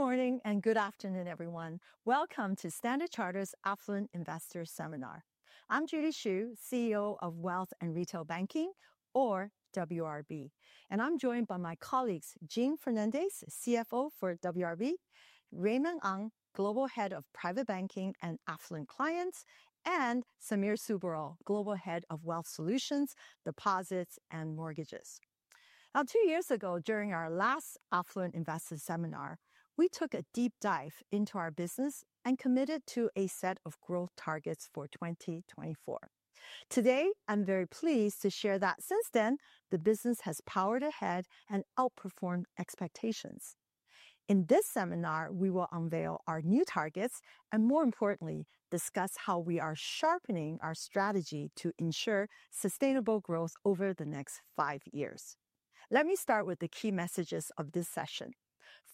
Good morning and good afternoon, everyone. Welcome to Standard Chartered's Affluent Investor Seminar. I'm Judy Hsu, CEO of Wealth and Retail Banking, or WRB, and I'm joined by my colleagues, Jean Fernandes, CFO for WRB, Raymond Ang, Global Head of Private Banking and Affluent Clients, and Samir Subberwal, Global Head of Wealth Solutions, Deposits, and Mortgages. Now, two years ago, during our last Affluent Investor Seminar, we took a deep dive into our business and committed to a set of growth targets for 2024. Today, I'm very pleased to share that since then, the business has powered ahead and outperformed expectations. In this seminar, we will unveil our new targets and, more importantly, discuss how we are sharpening our strategy to ensure sustainable growth over the next five years. Let me start with the key messages of this session.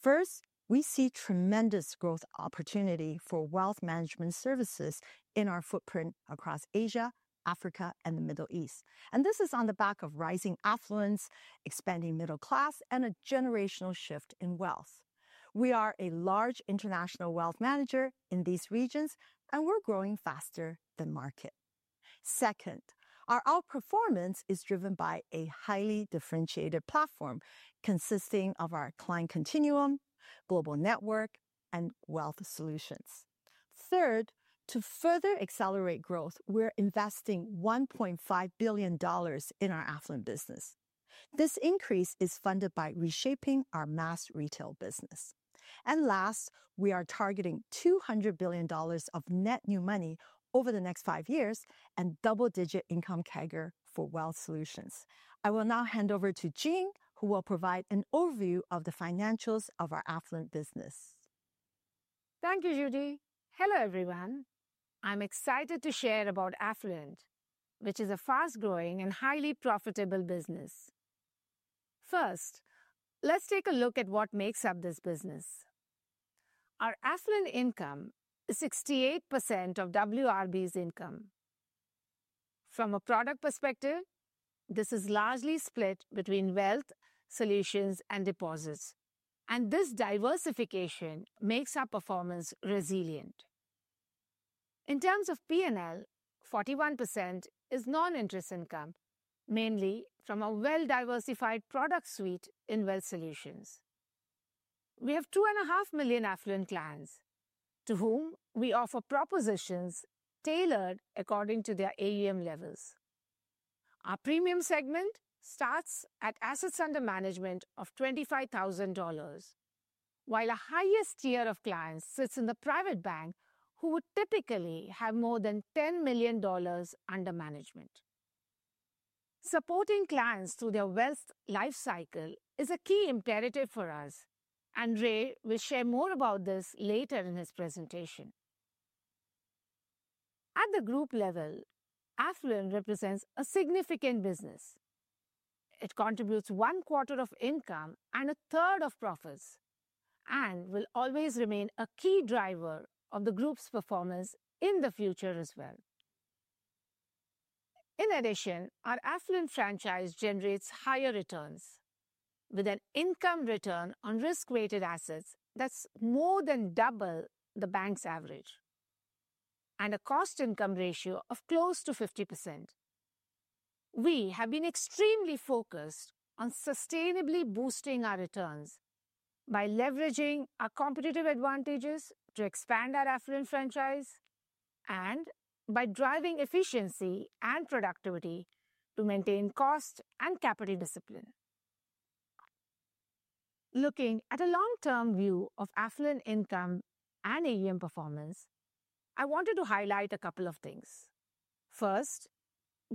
First, we see tremendous growth opportunity for wealth management services in our footprint across Asia, Africa, and the Middle East. And this is on the back of rising affluence, expanding middle class, and a generational shift in wealth. We are a large international wealth manager in these regions, and we're growing faster than market. Second, our outperformance is driven by a highly differentiated platform consisting of our Client Continuum, global network, and Wealth Solutions. Third, to further accelerate growth, we're investing $1.5 billion in our affluent business. This increase is funded by reshaping our Mass Retail business. And last, we are targeting $200 billion of net new money over the next five years and double-digit income CAGR for Wealth Solutions. I will now hand over to Jean, who will provide an overview of the financials of our affluent business. Thank you, Judy. Hello, everyone. I'm excited to share about Affluent, which is a fast-growing and highly profitable business. First, let's take a look at what makes up this business. Our affluent income is 68% of WRB's income. From a product perspective, this is largely split between Wealth Solutions and deposits, and this diversification makes our performance resilient. In terms of P&L, 41% is non-interest income, mainly from a well-diversified product suite in Wealth Solutions. We have 2.5 million affluent clients to whom we offer propositions tailored according to their AUM levels. Our Premium segment starts at assets under management of $25,000, while the highest tier of clients sits in the Private Bank, who would typically have more than $10 million under management. Supporting clients through their wealth life cycle is a key imperative for us, and Ray will share more about this later in his presentation. At the group level, Affluent represents a significant business. It contributes one quarter of income and a third of profits and will always remain a key driver of the group's performance in the future as well. In addition, our affluent franchise generates higher returns with an income return on risk-weighted assets that's more than double the bank's average and a cost-income ratio of close to 50%. We have been extremely focused on sustainably boosting our returns by leveraging our competitive advantages to expand our affluent franchise and by driving efficiency and productivity to maintain cost and capital discipline. Looking at a long-term view of affluent income and AUM performance, I wanted to highlight a couple of things. First,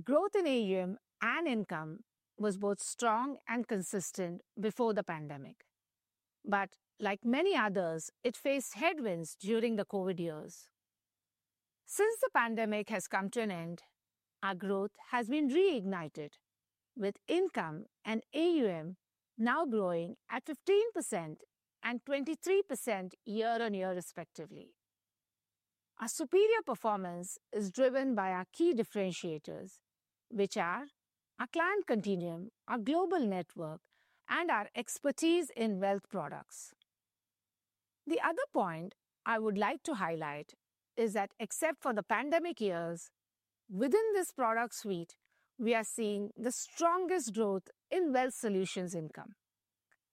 growth in AUM and income was both strong and consistent before the pandemic, but like many others, it faced headwinds during the COVID years. Since the pandemic has come to an end, our growth has been reignited with income and AUM now growing at 15% and 23% year-on-year, respectively. Our superior performance is driven by our key differentiators, which are our Client Continuum, our global network, and our expertise in wealth products. The other point I would like to highlight is that, except for the pandemic years, within this product suite, we are seeing the strongest growth in Wealth Solutions income.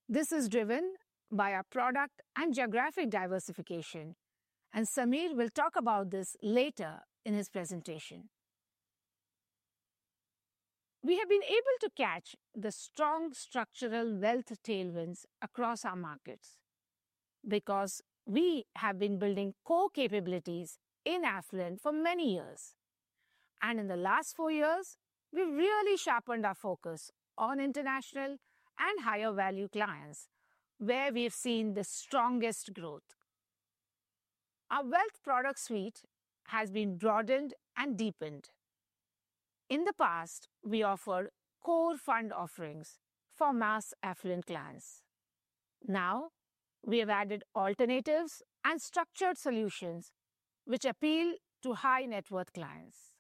This is driven by our product and geographic diversification, and Samir will talk about this later in his presentation. We have been able to catch the strong structural wealth tailwinds across our markets because we have been building core capabilities in Affluent for many years. And in the last four years, we've really sharpened our focus on international and higher-value clients, where we've seen the strongest growth. Our wealth product suite has been broadened and deepened. In the past, we offered core fund offerings for mass affluent clients. Now, we have added alternatives and structured solutions which appeal to high-net-worth clients.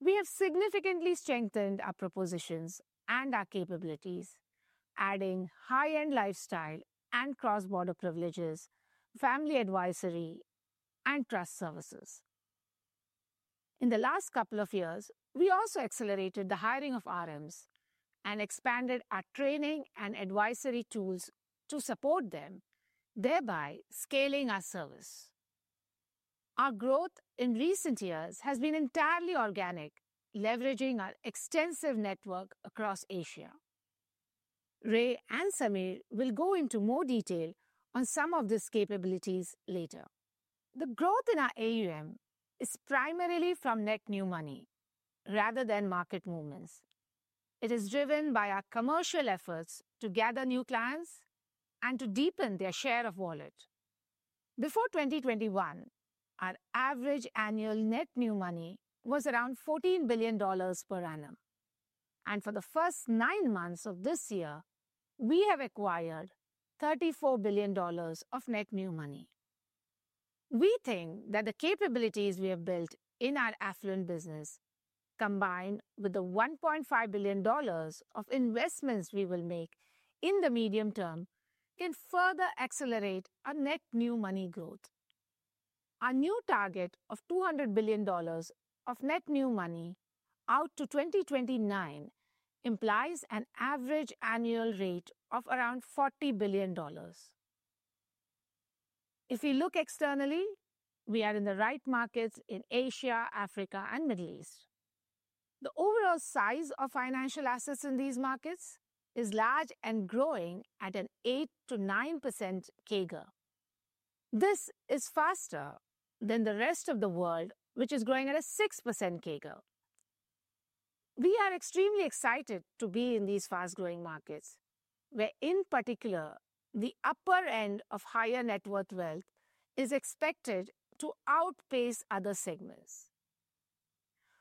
We have significantly strengthened our propositions and our capabilities, adding high-end lifestyle and cross-border privileges, family advisory, and trust services. In the last couple of years, we also accelerated the hiring of RMs and expanded our training and advisory tools to support them, thereby scaling our service. Our growth in recent years has been entirely organic, leveraging our extensive network across Asia. Ray and Samir will go into more detail on some of these capabilities later. The growth in our AUM is primarily from net new money rather than market movements. It is driven by our commercial efforts to gather new clients and to deepen their share of wallet. Before 2021, our average annual net new money was around $14 billion per annum. For the first nine months of this year, we have acquired $34 billion of net new money. We think that the capabilities we have built in our affluent business, combined with the $1.5 billion of investments we will make in the medium term, can further accelerate our net new money growth. Our new target of $200 billion of net new money out to 2029 implies an average annual rate of around $40 billion. If we look externally, we are in the right markets in Asia, Africa, and the Middle East. The overall size of financial assets in these markets is large and growing at an 8%-9% CAGR. This is faster than the rest of the world, which is growing at a 6% CAGR. We are extremely excited to be in these fast-growing markets, where, in particular, the upper end of higher net worth wealth is expected to outpace other segments.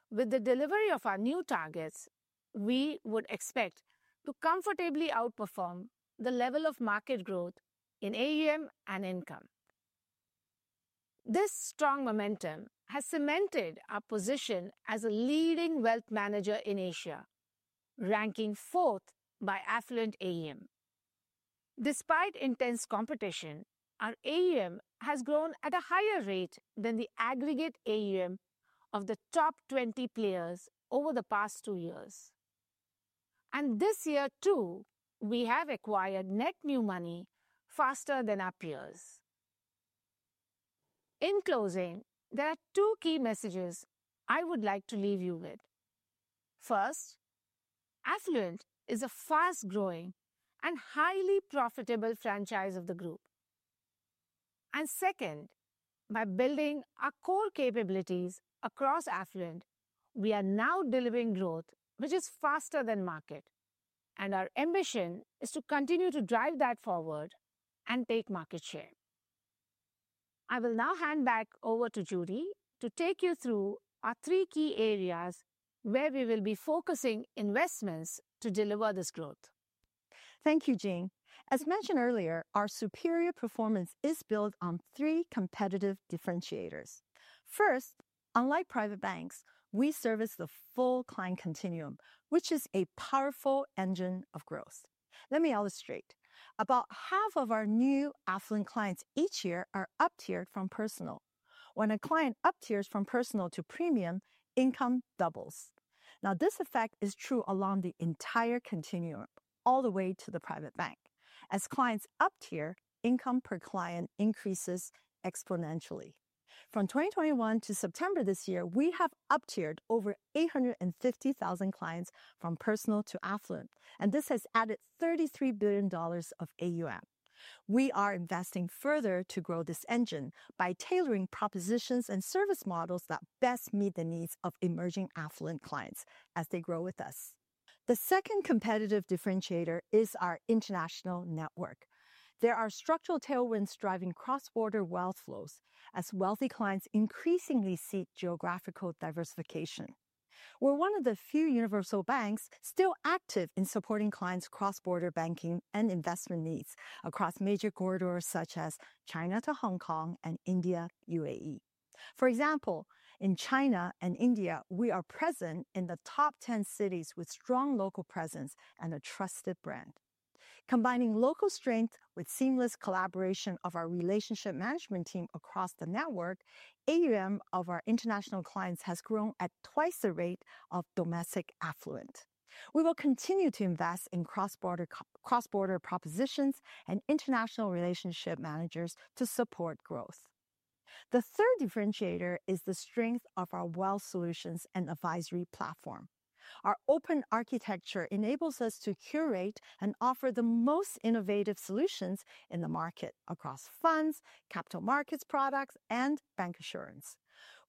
With the delivery of our new targets, we would expect to comfortably outperform the level of market growth in AUM and income. This strong momentum has cemented our position as a leading wealth manager in Asia, ranking fourth by affluent AUM. Despite intense competition, our AUM has grown at a higher rate than the aggregate AUM of the top 20 players over the past two years, and this year, too, we have acquired net new money faster than our peers. In closing, there are two key messages I would like to leave you with. First, Affluent is a fast-growing and highly profitable franchise of the group. Second, by building our core capabilities across Affluent, we are now delivering growth which is faster than market, and our ambition is to continue to drive that forward and take market share. I will now hand back over to Judy to take you through our three key areas where we will be focusing investments to deliver this growth. Thank you, Jean. As mentioned earlier, our superior performance is built on three competitive differentiators. First, unlike private banks, we service the full Client Continuum, which is a powerful engine of growth. Let me illustrate. About half of our new affluent clients each year are up-tiered from Personal. When a client up-tiers from Personal to Premium, income doubles. Now, this effect is true along the entire continuum, all the way to the Private Bank. As clients up-tier, income per client increases exponentially. From 2021 to September this year, we have up-tiered over 850,000 clients from Personal to affluent, and this has added $33 billion of AUM. We are investing further to grow this engine by tailoring propositions and service models that best meet the needs of Emerging Affluent clients as they grow with us. The second competitive differentiator is our international network. There are structural tailwinds driving cross-border wealth flows as wealthy clients increasingly seek geographical diversification. We're one of the few universal banks still active in supporting clients' cross-border banking and investment needs across major corridors such as China to Hong Kong and India-UAE. For example, in China and India, we are present in the top 10 cities with strong local presence and a trusted brand. Combining local strength with seamless collaboration of our relationship management team across the network, AUM of our international clients has grown at twice the rate of domestic affluent. We will continue to invest in cross-border propositions and international relationship managers to support growth. The third differentiator is the strength of our Wealth Solutions and advisory platform. Our open architecture enables us to curate and offer the most innovative solutions in the market across funds, capital markets products, and bancassurance.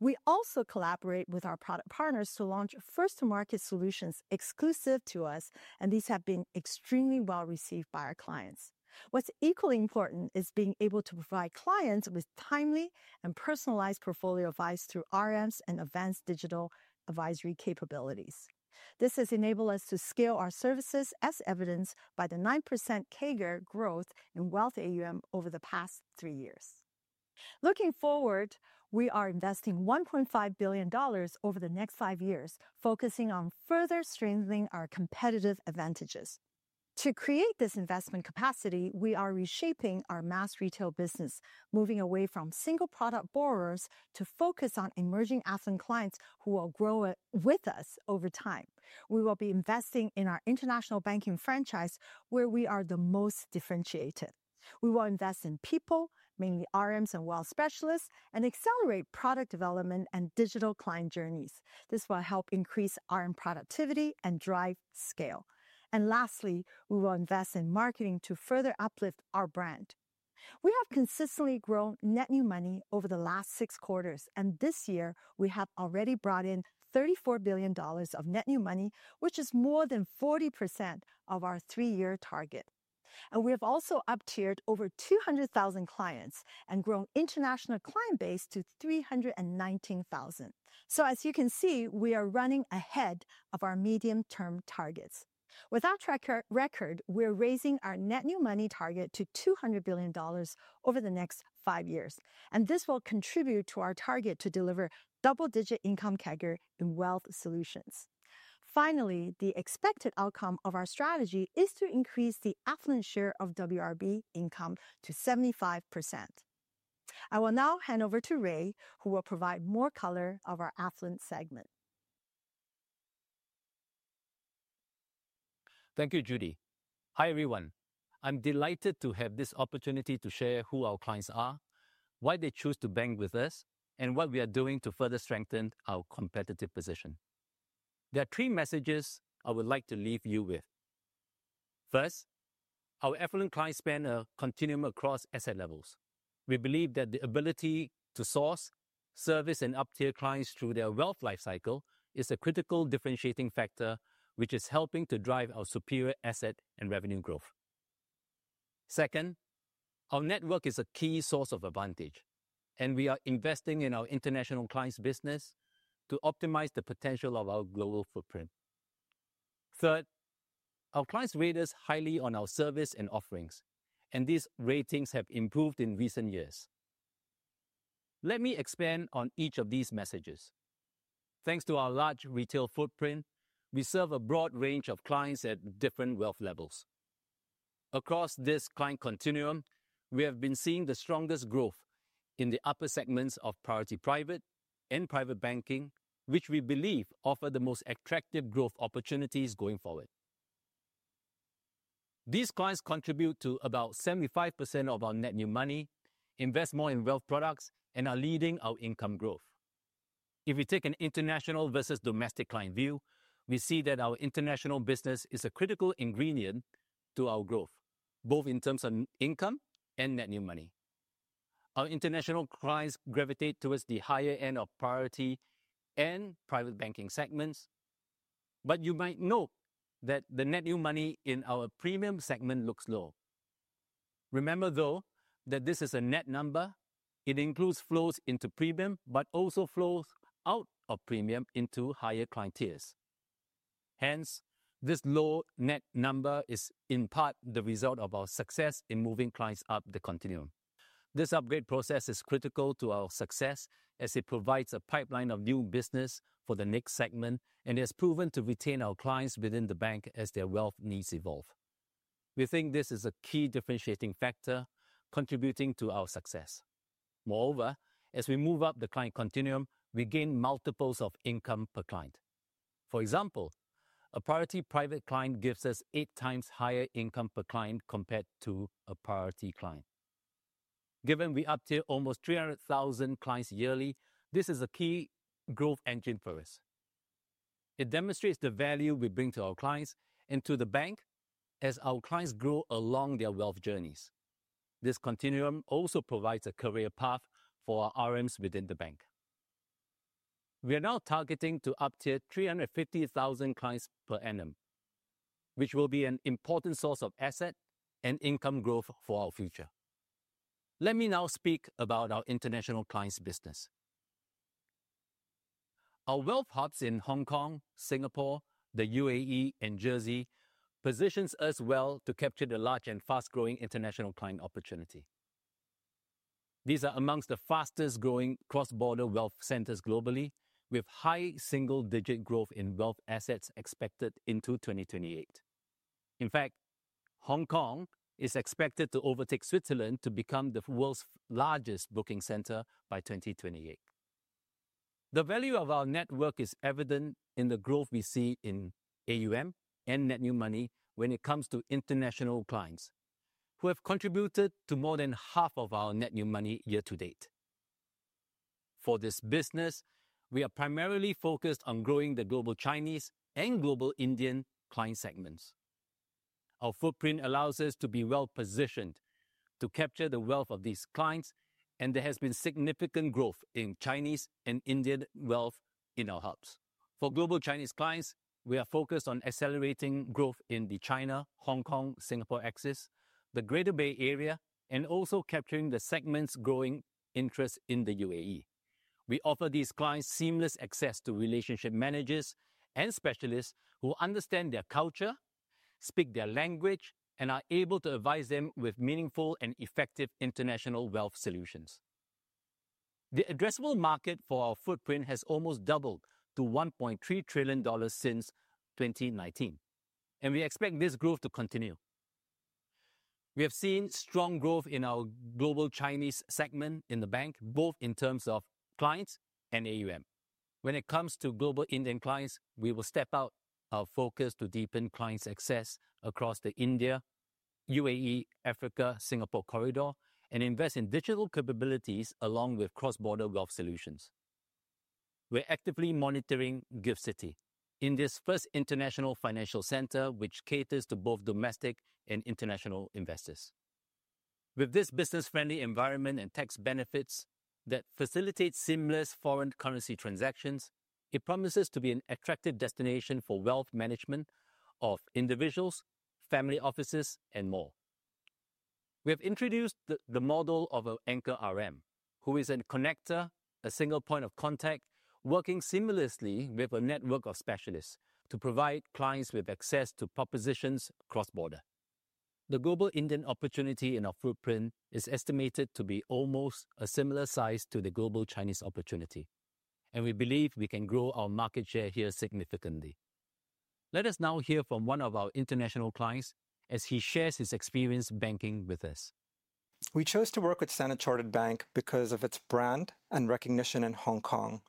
We also collaborate with our product partners to launch first-to-market solutions exclusive to us, and these have been extremely well received by our clients. What's equally important is being able to provide clients with timely and personalized portfolio advice through RMs and advanced digital advisory capabilities. This has enabled us to scale our services, as evidenced by the 9% CAGR growth in wealth AUM over the past three years. Looking forward, we are investing $1.5 billion over the next five years, focusing on further strengthening our competitive advantages. To create this investment capacity, we are reshaping our Mass Retail business, moving away from single-product borrowers to focus on Emerging Affluent clients who will grow with us over time. We will be investing in our international banking franchise, where we are the most differentiated. We will invest in people, mainly RMs and wealth specialists, and accelerate product development and digital client journeys. This will help increase RM productivity and drive scale, and lastly, we will invest in marketing to further uplift our brand. We have consistently grown net new money over the last six quarters, and this year, we have already brought in $34 billion of net new money, which is more than 40% of our three-year target, and we have also up-tiered over 200,000 clients and grown international client base to 319,000, so as you can see, we are running ahead of our medium-term targets. With our track record, we're raising our net new money target to $200 billion over the next five years, and this will contribute to our target to deliver double-digit income CAGR in Wealth Solutions. Finally, the expected outcome of our strategy is to increase the affluent share of WRB income to 75%. I will now hand over to Ray, who will provide more color of our affluent segment. Thank you, Judy. Hi, everyone. I'm delighted to have this opportunity to share who our clients are, why they choose to bank with us, and what we are doing to further strengthen our competitive position. There are three messages I would like to leave you with. First, our affluent clients span a continuum across asset levels. We believe that the ability to source, service, and up-tier clients through their wealth life cycle is a critical differentiating factor, which is helping to drive our superior asset and revenue growth. Second, our network is a key source of advantage, and we are investing in our international clients' business to optimize the potential of our global footprint. Third, our clients rate us highly on our service and offerings, and these ratings have improved in recent years. Let me expand on each of these messages. Thanks to our large retail footprint, we serve a broad range of clients at different wealth levels. Across this Client Continuum, we have been seeing the strongest growth in the upper segments of Priority Private and Private Banking, which we believe offer the most attractive growth opportunities going forward. These clients contribute to about 75% of our net new money, invest more in wealth products, and are leading our income growth. If we take an international versus domestic client view, we see that our international business is a critical ingredient to our growth, both in terms of income and net new money. Our international clients gravitate towards the higher end of Priority and Private Banking segments, but you might note that the net new money in our Premium segment looks low. Remember, though, that this is a net number. It includes flows into Premium, but also flows out of Premium into higher client tiers. Hence, this low net number is in part the result of our success in moving clients up the continuum. This upgrade process is critical to our success as it provides a pipeline of new business for the next segment, and it has proven to retain our clients within the bank as their wealth needs evolve. We think this is a key differentiating factor contributing to our success. Moreover, as we move up the Client Continuum, we gain multiples of income per client. For example, a Priority Private client gives us eight times higher income per client compared to a Priority client. Given we up-tier almost 300,000 clients yearly, this is a key growth engine for us. It demonstrates the value we bring to our clients and to the bank as our clients grow along their wealth journeys. This continuum also provides a career path for our RMs within the bank. We are now targeting to up-tier 350,000 clients per annum, which will be an important source of asset and income growth for our future. Let me now speak about our international clients' business. Our wealth hubs in Hong Kong, Singapore, the UAE, and Jersey position us well to capture the large and fast-growing international client opportunity. These are amongst the fastest-growing cross-border wealth centers globally, with high single-digit growth in wealth assets expected into 2028. In fact, Hong Kong is expected to overtake Switzerland to become the world's largest booking center by 2028. The value of our network is evident in the growth we see in AUM and net new money when it comes to international clients, who have contributed to more than half of our net new money year to date. For this business, we are primarily focused on growing the global Chinese and global Indian client segments. Our footprint allows us to be well positioned to capture the wealth of these clients, and there has been significant growth in Chinese and Indian wealth in our hubs. For global Chinese clients, we are focused on accelerating growth in the China-Hong Kong-Singapore axis, the Greater Bay Area, and also capturing the segment's growing interest in the UAE. We offer these clients seamless access to relationship managers and specialists who understand their culture, speak their language, and are able to advise them with meaningful and effective international Wealth Solutions. The addressable market for our footprint has almost doubled to $1.3 trillion since 2019, and we expect this growth to continue. We have seen strong growth in our global Chinese segment in the bank, both in terms of clients and AUM. When it comes to global Indian clients, we will step up our focus to deepen client success across the India, UAE, Africa, Singapore corridor, and invest in digital capabilities along with cross-border Wealth Solutions. We're actively monitoring GIFT City, India's first international financial center, which caters to both domestic and international investors. With this business-friendly environment and tax benefits that facilitate seamless foreign currency transactions, it promises to be an attractive destination for wealth management of individuals, family offices, and more. We have introduced the model of our anchor RM, who is a connector, a single point of contact, working seamlessly with a network of specialists to provide clients with access to propositions cross-border. The global Indian opportunity in our footprint is estimated to be almost a similar size to the global Chinese opportunity, and we believe we can grow our market share here significantly. Let us now hear from one of our international clients as he shares his experience banking with us. We chose to work with Standard Chartered Bank because of its brand and recognition in Hong Kong.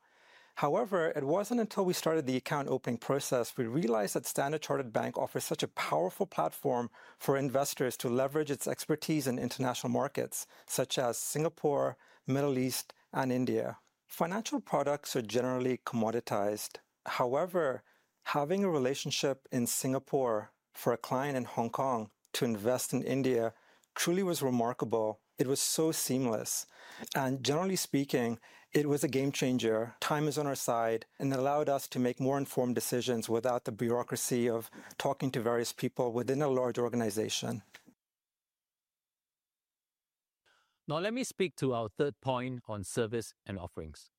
However, it wasn't until we started the account opening process we realized that Standard Chartered Bank offers such a powerful platform for investors to leverage its expertise in international markets such as Singapore, the Middle East, and India. Financial products are generally commoditized. However, having a relationship in Singapore for a client in Hong Kong to invest in India truly was remarkable. It was so seamless, and generally speaking, it was a game changer. Time is on our side, and it allowed us to make more informed decisions without the bureaucracy of talking to various people within a large organization. Now, let me speak to our third point on service and offerings.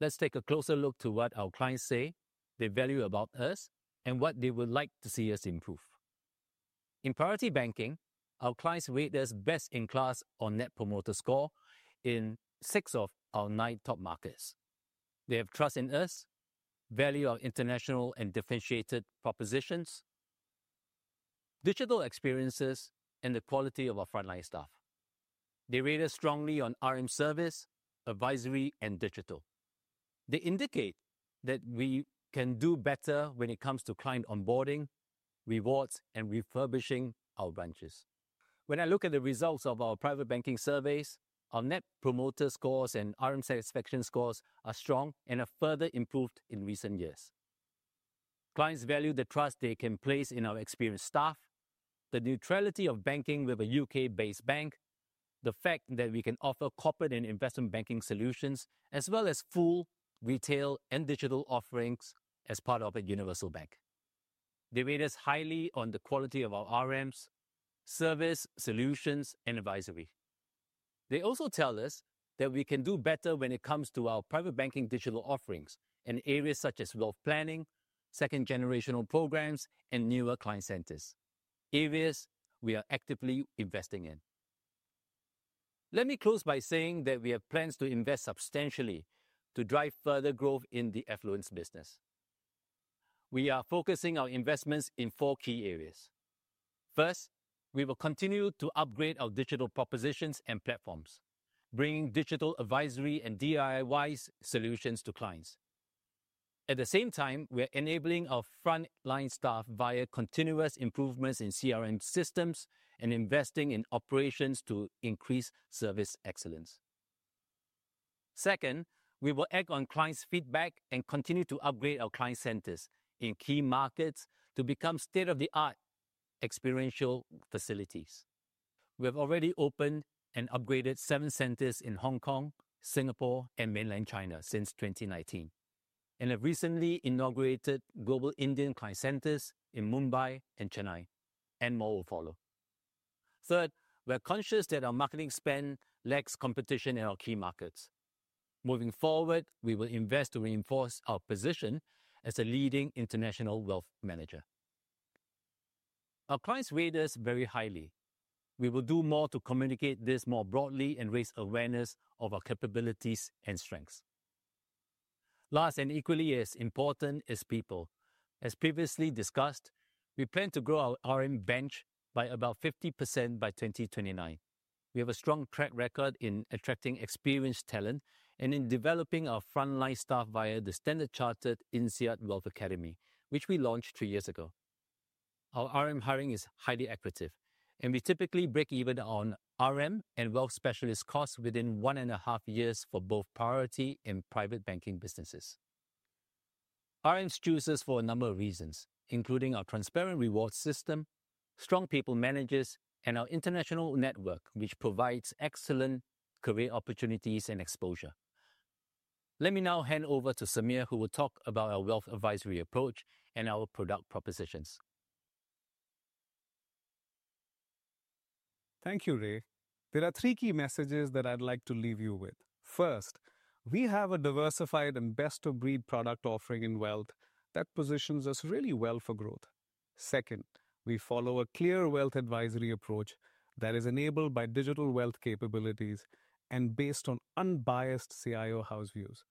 Let's take a closer look to what our clients say, their value about us, and what they would like to see us improve. In Priority Banking, our clients rate us best in class on Net Promoter Score in six of our nine top markets. They have trust in us, value of international and differentiated propositions, digital experiences, and the quality of our frontline staff. They rate us strongly on RM service, advisory, and digital. They indicate that we can do better when it comes to client onboarding, rewards, and refurbishing our branches. When I look at the results of our Private Banking surveys, our Net Promoter Scores and RM satisfaction scores are strong and have further improved in recent years. Clients value the trust they can place in our experienced staff, the neutrality of banking with a UK-based bank, the fact that we can offer corporate and investment banking solutions, as well as full retail and digital offerings as part of a universal bank. They rate us highly on the quality of our RMs, service, solutions, and advisory. They also tell us that we can do better when it comes to our Private Banking digital offerings in areas such as wealth planning, second-generational programs, and newer client centers, areas we are actively investing in. Let me close by saying that we have plans to invest substantially to drive further growth in the Affluent business. We are focusing our investments in four key areas. First, we will continue to upgrade our digital propositions and platforms, bringing digital advisory and DIY solutions to clients. At the same time, we are enabling our frontline staff via continuous improvements in CRM systems and investing in operations to increase service excellence. Second, we will act on clients' feedback and continue to upgrade our client centers in key markets to become state-of-the-art experiential facilities. We have already opened and upgraded seven centers in Hong Kong, Singapore, and mainland China since 2019, and have recently inaugurated global Indian client centers in Mumbai and Chennai, and more will follow. Third, we're conscious that our marketing spend lags competition in our key markets. Moving forward, we will invest to reinforce our position as a leading international wealth manager. Our clients rate us very highly. We will do more to communicate this more broadly and raise awareness of our capabilities and strengths. Last and equally as important is people. As previously discussed, we plan to grow our RM bench by about 50% by 2029. We have a strong track record in attracting experienced talent and in developing our frontline staff via the Standard Chartered INSEAD Wealth Academy, which we launched three years ago. Our RM hiring is highly accurate, and we typically break even on RM and wealth specialist costs within one and a half years for both Priority and Private Banking businesses. RMs choose us for a number of reasons, including our transparent rewards system, strong people managers, and our international network, which provides excellent career opportunities and exposure. Let me now hand over to Samir, who will talk about our wealth advisory approach and our product propositions. Thank you, Ray. There are three key messages that I'd like to leave you with. First, we have a diversified and best-of-breed product offering in wealth that positions us really well for growth. Second, we follow a clear wealth advisory approach that is enabled by digital wealth capabilities and based on unbiased CIO House views.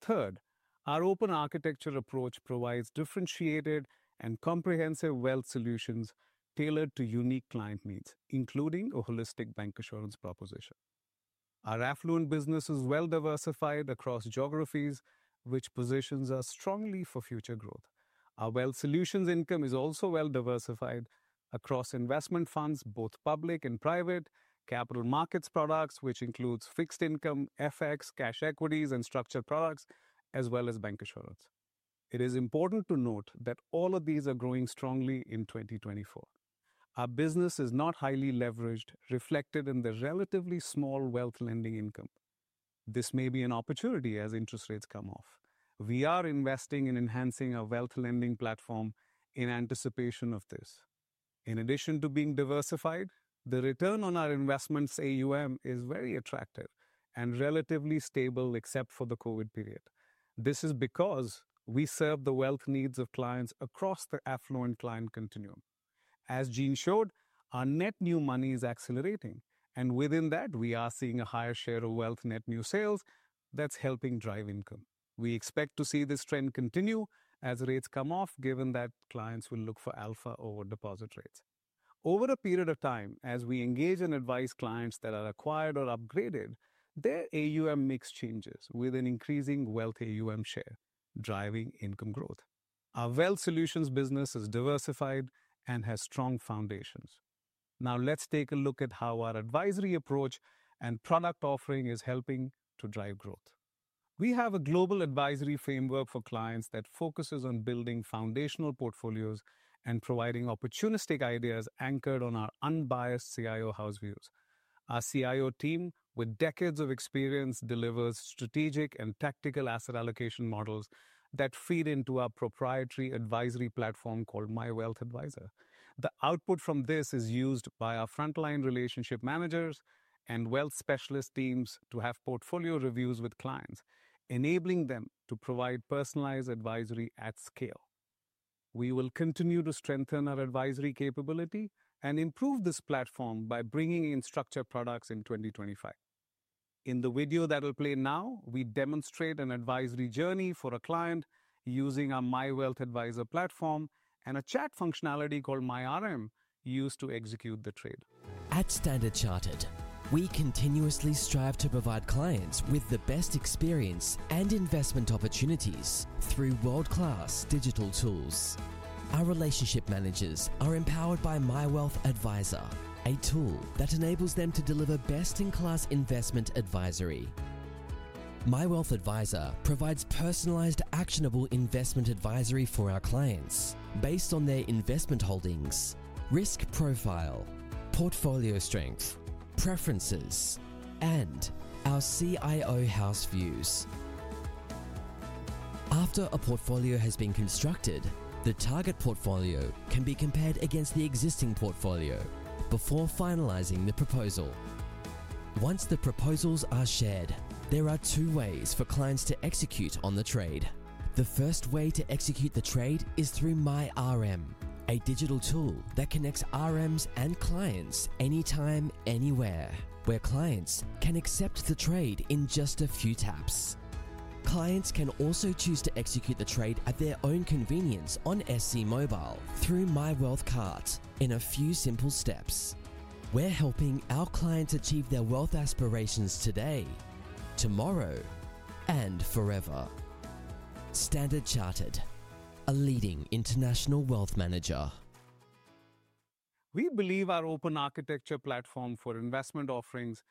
Third, our open architecture approach provides differentiated and comprehensive Wealth Solutions tailored to unique client needs, including a holistic bancassurance proposition. Our affluent business is well-diversified across geographies, which positions us strongly for future growth. Our Wealth Solutions income is also well-diversified across investment funds, both public and private, capital markets products, which includes fixed income, FX, cash equities, and structured products, as well as bancassurance. It is important to note that all of these are growing strongly in 2024. Our business is not highly leveraged, reflected in the relatively small wealth lending income. This may be an opportunity as interest rates come off. We are investing in enhancing our wealth lending platform in anticipation of this. In addition to being diversified, the return on our investments AUM is very attractive and relatively stable, except for the COVID period. This is because we serve the wealth needs of clients across the affluent Client Continuum. As Jean showed, our net new money is accelerating, and within that, we are seeing a higher share of wealth net new sales that's helping drive income. We expect to see this trend continue as rates come off, given that clients will look for alpha over deposit rates. Over a period of time, as we engage and advise clients that are acquired or upgraded, their AUM makes changes with an increasing wealth AUM share, driving income growth. Our Wealth Solutions business is diversified and has strong foundations. Now, let's take a look at how our advisory approach and product offering is helping to drive growth. We have a global advisory framework for clients that focuses on building foundational portfolios and providing opportunistic ideas anchored on our unbiased CIO House views. Our CIO team, with decades of experience, delivers strategic and tactical asset allocation models that feed into our proprietary advisory platform called My Wealth Advisor. The output from this is used by our frontline relationship managers and wealth specialist teams to have portfolio reviews with clients, enabling them to provide personalized advisory at scale. We will continue to strengthen our advisory capability and improve this platform by bringing in structured products in 2025. In the video that will play now, we demonstrate an advisory journey for a client using our My Wealth Advisor platform and a chat functionality called My RM used to execute the trade. At Standard Chartered, we continuously strive to provide clients with the best experience and investment opportunities through world-class digital tools. Our relationship managers are empowered by My Wealth Advisor, a tool that enables them to deliver best-in-class investment advisory. My Wealth Advisor provides personalized, actionable investment advisory for our clients based on their investment holdings, risk profile, portfolio strength, preferences, and our CIO House views. After a portfolio has been constructed, the target portfolio can be compared against the existing portfolio before finalizing the proposal. Once the proposals are shared, there are two ways for clients to execute on the trade. The first way to execute the trade is through My RM, a digital tool that connects RMs and clients anytime, anywhere, where clients can accept the trade in just a few taps. Clients can also choose to execute the trade at their own convenience on SC Mobile through My Wealth Cart in a few simple steps. We're helping our clients achieve their wealth aspirations today, tomorrow, and forever. Standard Chartered, a leading international wealth manager. We believe our open architecture platform for investment offerings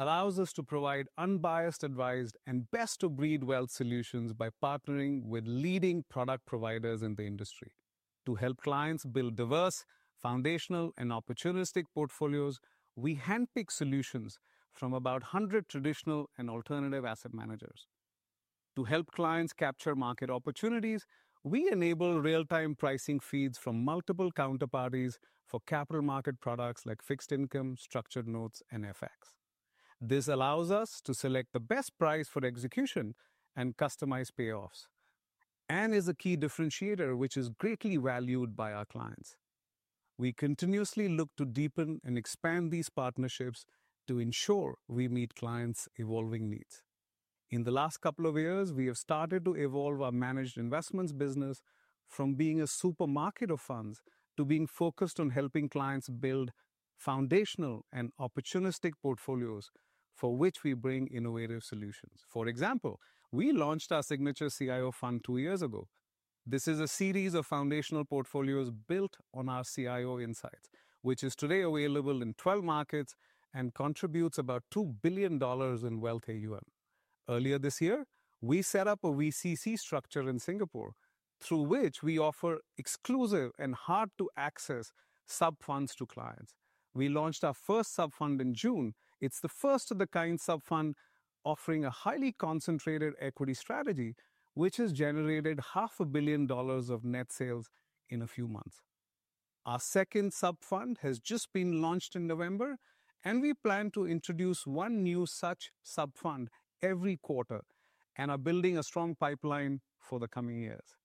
allows us to provide unbiased, advised, and best-of-breed Wealth Solutions by partnering with leading product providers in the industry. To help clients build diverse, foundational, and opportunistic portfolios, we handpick solutions from about 100 traditional and alternative asset managers. To help clients capture market opportunities, we enable real-time pricing feeds from multiple counterparties for capital market products like fixed income, structured notes, and FX. This allows us to select the best price for execution and customize payoffs, and is a key differentiator, which is greatly valued by our clients. We continuously look to deepen and expand these partnerships to ensure we meet clients' evolving needs. In the last couple of years, we have started to evolve our managed investments business from being a supermarket of funds to being focused on helping clients build foundational and opportunistic portfolios for which we bring innovative solutions. For example, we launched our Signature CIO Fund two years ago. This is a series of foundational portfolios built on our CIO insights, which is today available in 12 markets and contributes about $2 billion in wealth AUM. Earlier this year, we set up a VCC structure in Singapore through which we offer exclusive and hard-to-access sub-funds to clients. We launched our first sub-fund in June. It's the first of the kind sub-fund offering a highly concentrated equity strategy, which has generated $500 million of net sales in a few months. Our second sub-fund has just been launched in November, and we plan to introduce one new such sub-fund every quarter and are building a strong pipeline for the coming years.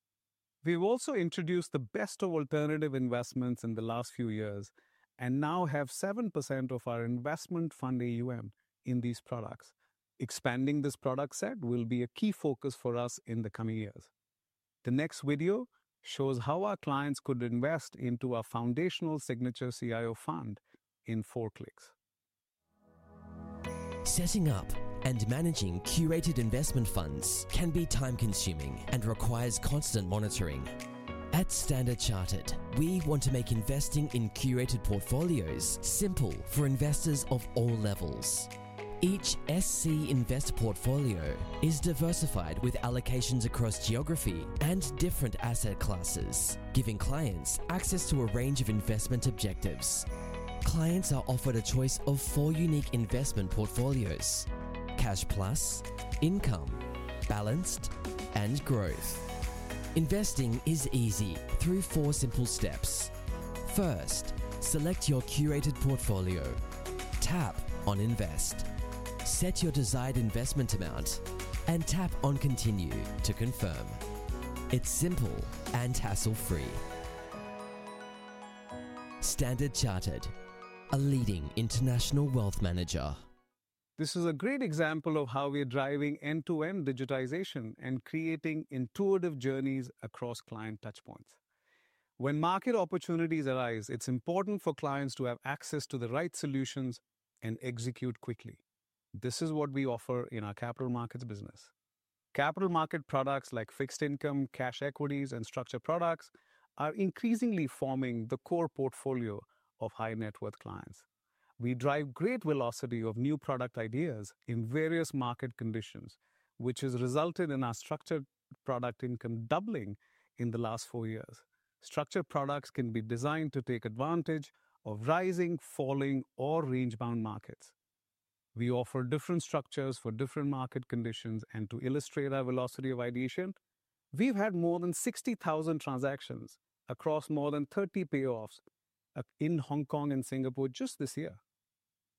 We've also introduced the best of alternative investments in the last few years and now have 7% of our investment fund AUM in these products. Expanding this product set will be a key focus for us in the coming years. The next video shows how our clients could invest into our foundational Signature CIO Fund in four clicks. Setting up and managing curated investment funds can be time-consuming and requires constant monitoring. At Standard Chartered, we want to make investing in curated portfolios simple for investors of all levels. Each SC Invest portfolio is diversified with allocations across geography and different asset classes, giving clients access to a range of investment objectives. Clients are offered a choice of four unique investment portfolios: Cash Plus, Income, Balanced, and Growth. Investing is easy through four simple steps. First, select your curated portfolio, tap on Invest, set your desired investment amount, and tap on Continue to confirm. It's simple and hassle-free. Standard Chartered, a leading international wealth manager. This is a great example of how we are driving end-to-end digitization and creating intuitive journeys across client touchpoints. When market opportunities arise, it's important for clients to have access to the right solutions and execute quickly. This is what we offer in our capital markets business. Capital market products like fixed income, cash equities, and structured products are increasingly forming the core portfolio of high-net-worth clients. We drive great velocity of new product ideas in various market conditions, which has resulted in our structured product income doubling in the last four years. Structured products can be designed to take advantage of rising, falling, or range-bound markets. We offer different structures for different market conditions, and to illustrate our velocity of ideation, we've had more than 60,000 transactions across more than 30 payoffs in Hong Kong and Singapore just this year.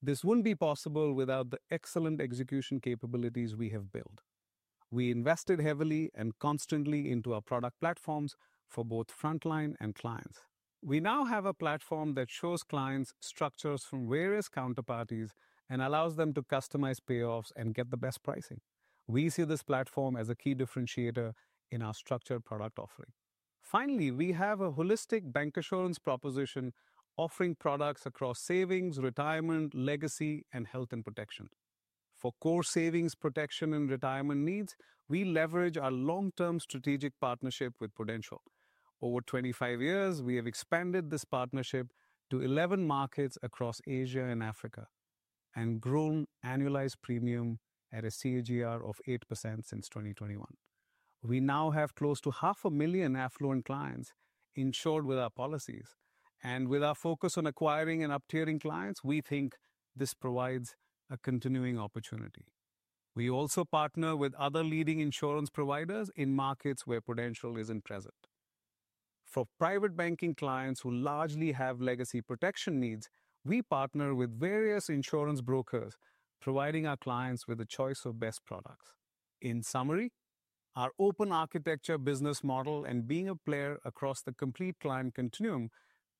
This wouldn't be possible without the excellent execution capabilities we have built. We invested heavily and constantly into our product platforms for both frontline and clients. We now have a platform that shows clients structures from various counterparties and allows them to customize payoffs and get the best pricing. We see this platform as a key differentiator in our structured product offering. Finally, we have a holistic bancassurance proposition offering products across savings, retirement, legacy, and health and protection. For core savings, protection, and retirement needs, we leverage our long-term strategic partnership with Prudential. Over 25 years, we have expanded this partnership to 11 markets across Asia and Africa and grown annualized Premium at a CAGR of 8% since 2021. We now have close to 500,000 affluent clients insured with our policies. With our focus on acquiring and up-tiering clients, we think this provides a continuing opportunity. We also partner with other leading insurance providers in markets where Prudential isn't present. For Private Banking clients who largely have legacy protection needs, we partner with various insurance brokers, providing our clients with a choice of best products. In summary, our open architecture business model and being a player across the complete Client Continuum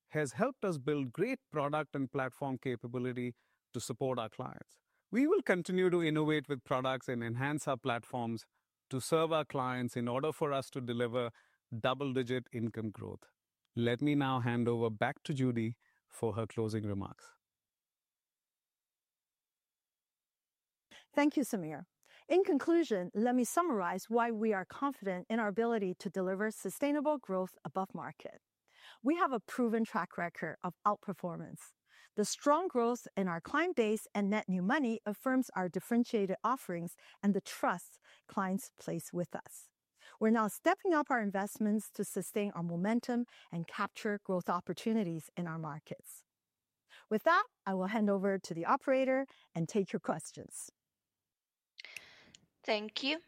has helped us build great product and platform capability to support our clients. We will continue to innovate with products and enhance our platforms to serve our clients in order for us to deliver double-digit income growth. Let me now hand over back to Judy for her closing remarks. Thank you, Samir. In conclusion, let me summarize why we are confident in our ability to deliver sustainable growth above market. We have a proven track record of outperformance. The strong growth in our client base and net new money affirms our differentiated offerings and the trust clients place with us. We're now stepping up our investments to sustain our momentum and capture growth opportunities in our markets. With that, I will hand over to the operator and take your questions. Thank you.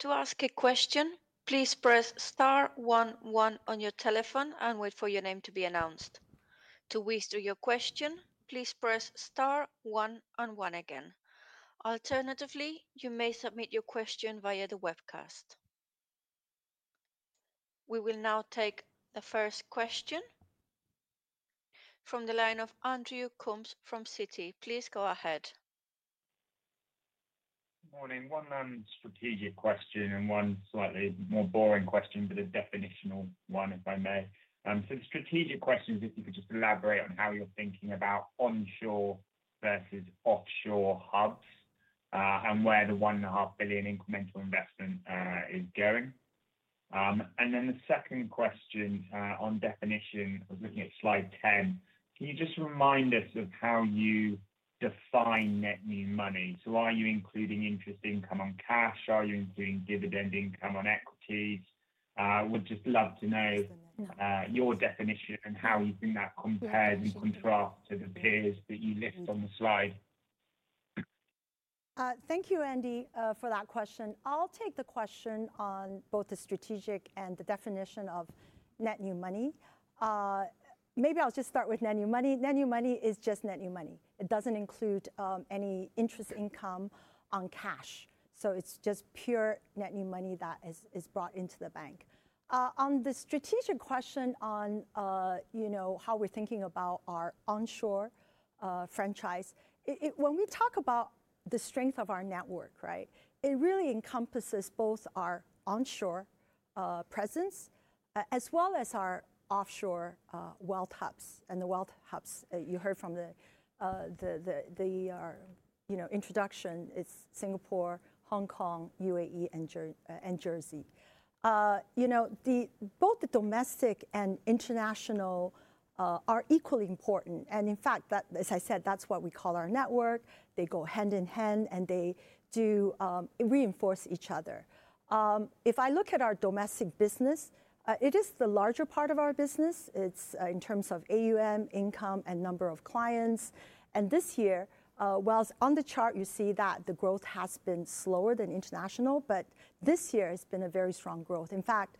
To ask a question, please press star 11 on your telephone and wait for your name to be announced. To whisper your question, please press star 11 again. Alternatively, you may submit your question via the webcast. We will now take the first question from the line of Andrew Coombs from Citi. Please go ahead. Good morning. One strategic question and one slightly more boring question, but a definitional one if I may. So the strategic question is if you could just elaborate on how you're thinking about onshore versus offshore hubs and where the $1.5 billion incremental investment is going. And then the second question on definition, I was looking at slide 10. Can you just remind us of how you define net new money? So are you including interest income on cash? Are you including dividend income on equities? We'd just love to know your definition and how you think that compares and contrasts to the peers that you list on the slide. Thank you, Andy, for that question. I'll take the question on both the strategic and the definition of net new money. Maybe I'll just start with net new money. Net new money is just net new money. It doesn't include any interest income on cash, so it's just pure net new money that is brought into the bank. On the strategic question on how we're thinking about our onshore franchise, when we talk about the strength of our network, it really encompasses both our onshore presence as well as our offshore wealth hubs, and the wealth hubs you heard from the introduction: it's Singapore, Hong Kong, UAE, and Jersey. Both the domestic and international are equally important, and in fact, as I said, that's what we call our network. They go hand in hand and they reinforce each other. If I look at our domestic business, it is the larger part of our business. It's in terms of AUM, income, and number of clients, and this year, well, on the chart, you see that the growth has been slower than international, but this year has been a very strong growth. In fact,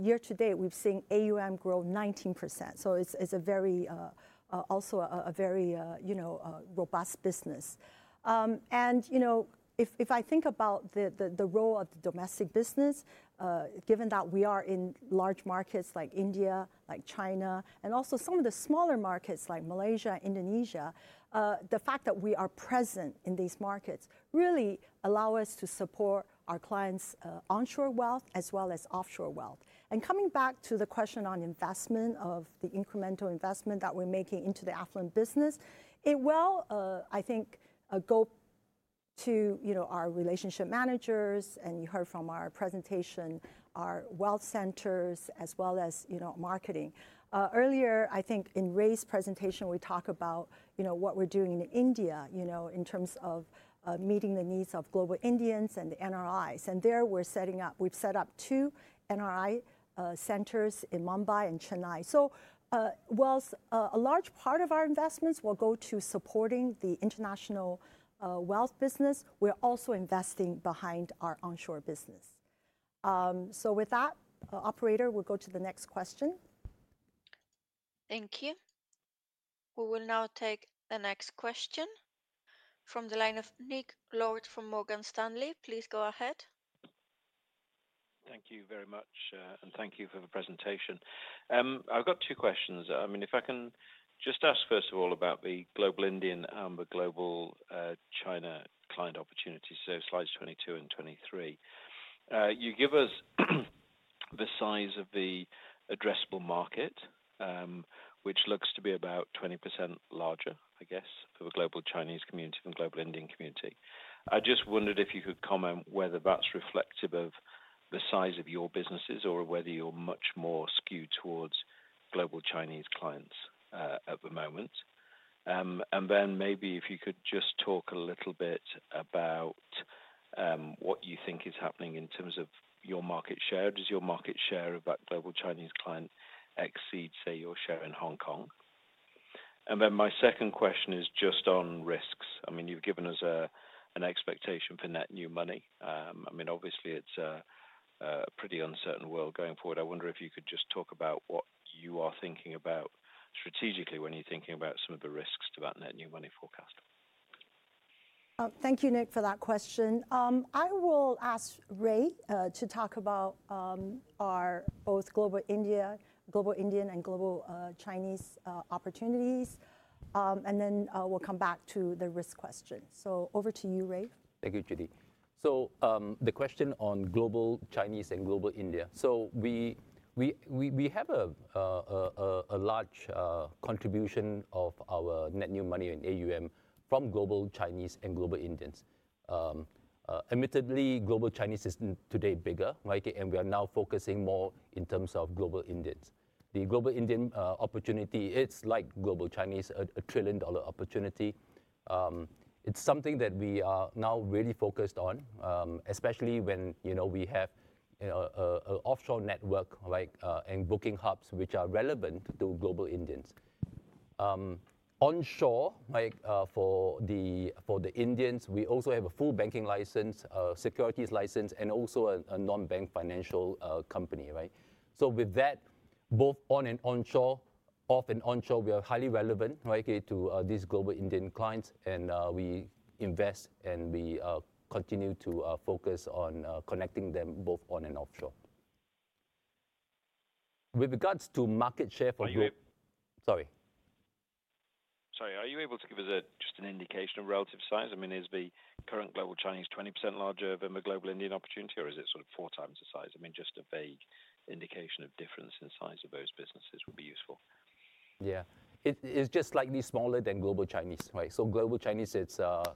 year to date, we've seen AUM grow 19%, so it's also a very robust business, and if I think about the role of the domestic business, given that we are in large markets like India, like China, and also some of the smaller markets like Malaysia, Indonesia, the fact that we are present in these markets really allows us to support our clients' onshore wealth as well as offshore wealth. Coming back to the question on investment of the incremental investment that we're making into the affluent business, it will, I think, go to our relationship managers, and you heard from our presentation, our wealth centers, as well as marketing. Earlier, I think in Ray's presentation, we talked about what we're doing in India in terms of meeting the needs of global Indians and the NRIs. There we're setting up, we've set up two NRI centers in Mumbai and Chennai. While a large part of our investments will go to supporting the international wealth business, we're also investing behind our onshore business. With that, operator, we'll go to the next question. Thank you. We will now take the next question from the line of Nick Lord from Morgan Stanley. Please go ahead. Thank you very much, and thank you for the presentation. I've got two questions. I mean, if I can just ask first of all about the global Indian and the global Chinese client opportunities, so slides 22 and 23. You give us the size of the addressable market, which looks to be about 20% larger, I guess, for the global Chinese community and global Indian community. I just wondered if you could comment whether that's reflective of the size of your businesses or whether you're much more skewed towards global Chinese clients at the moment. And then maybe if you could just talk a little bit about what you think is happening in terms of your market share. Does your market share of that global Chinese client exceed, say, your share in Hong Kong? And then my second question is just on risks. I mean, you've given us an expectation for net new money. I mean, obviously, it's a pretty uncertain world going forward. I wonder if you could just talk about what you are thinking about strategically when you're thinking about some of the risks to that net new money forecast. Thank you, Nick, for that question. I will ask Ray to talk about our both global Indian and global Chinese opportunities, and then we'll come back to the risk question, so over to you, Ray. Thank you, Judy. So the question on global Chinese and global India. So we have a large contribution of our net new money in AUM from global Chinese and global Indians. Admittedly, global Chinese is today bigger, and we are now focusing more in terms of global Indians. The global Indian opportunity, it's like global Chinese, a trillion-dollar opportunity. It's something that we are now really focused on, especially when we have an offshore network and booking hubs which are relevant to global Indians. Onshore for the Indians, we also have a full banking license, securities license, and also a non-bank financial company. So with that, both on and off and onshore, we are highly relevant to these global Indian clients, and we invest and we continue to focus on connecting them both on and offshore. With regards to market share for global. Are you able? Sorry. Sorry, are you able to give us just an indication of relative size? I mean, is the current global Chinese 20% larger than the global Indian opportunity, or is it sort of four times the size? I mean, just a vague indication of difference in size of those businesses would be useful. Yeah. It's just slightly smaller than global Chinese. So global Chinese, it's about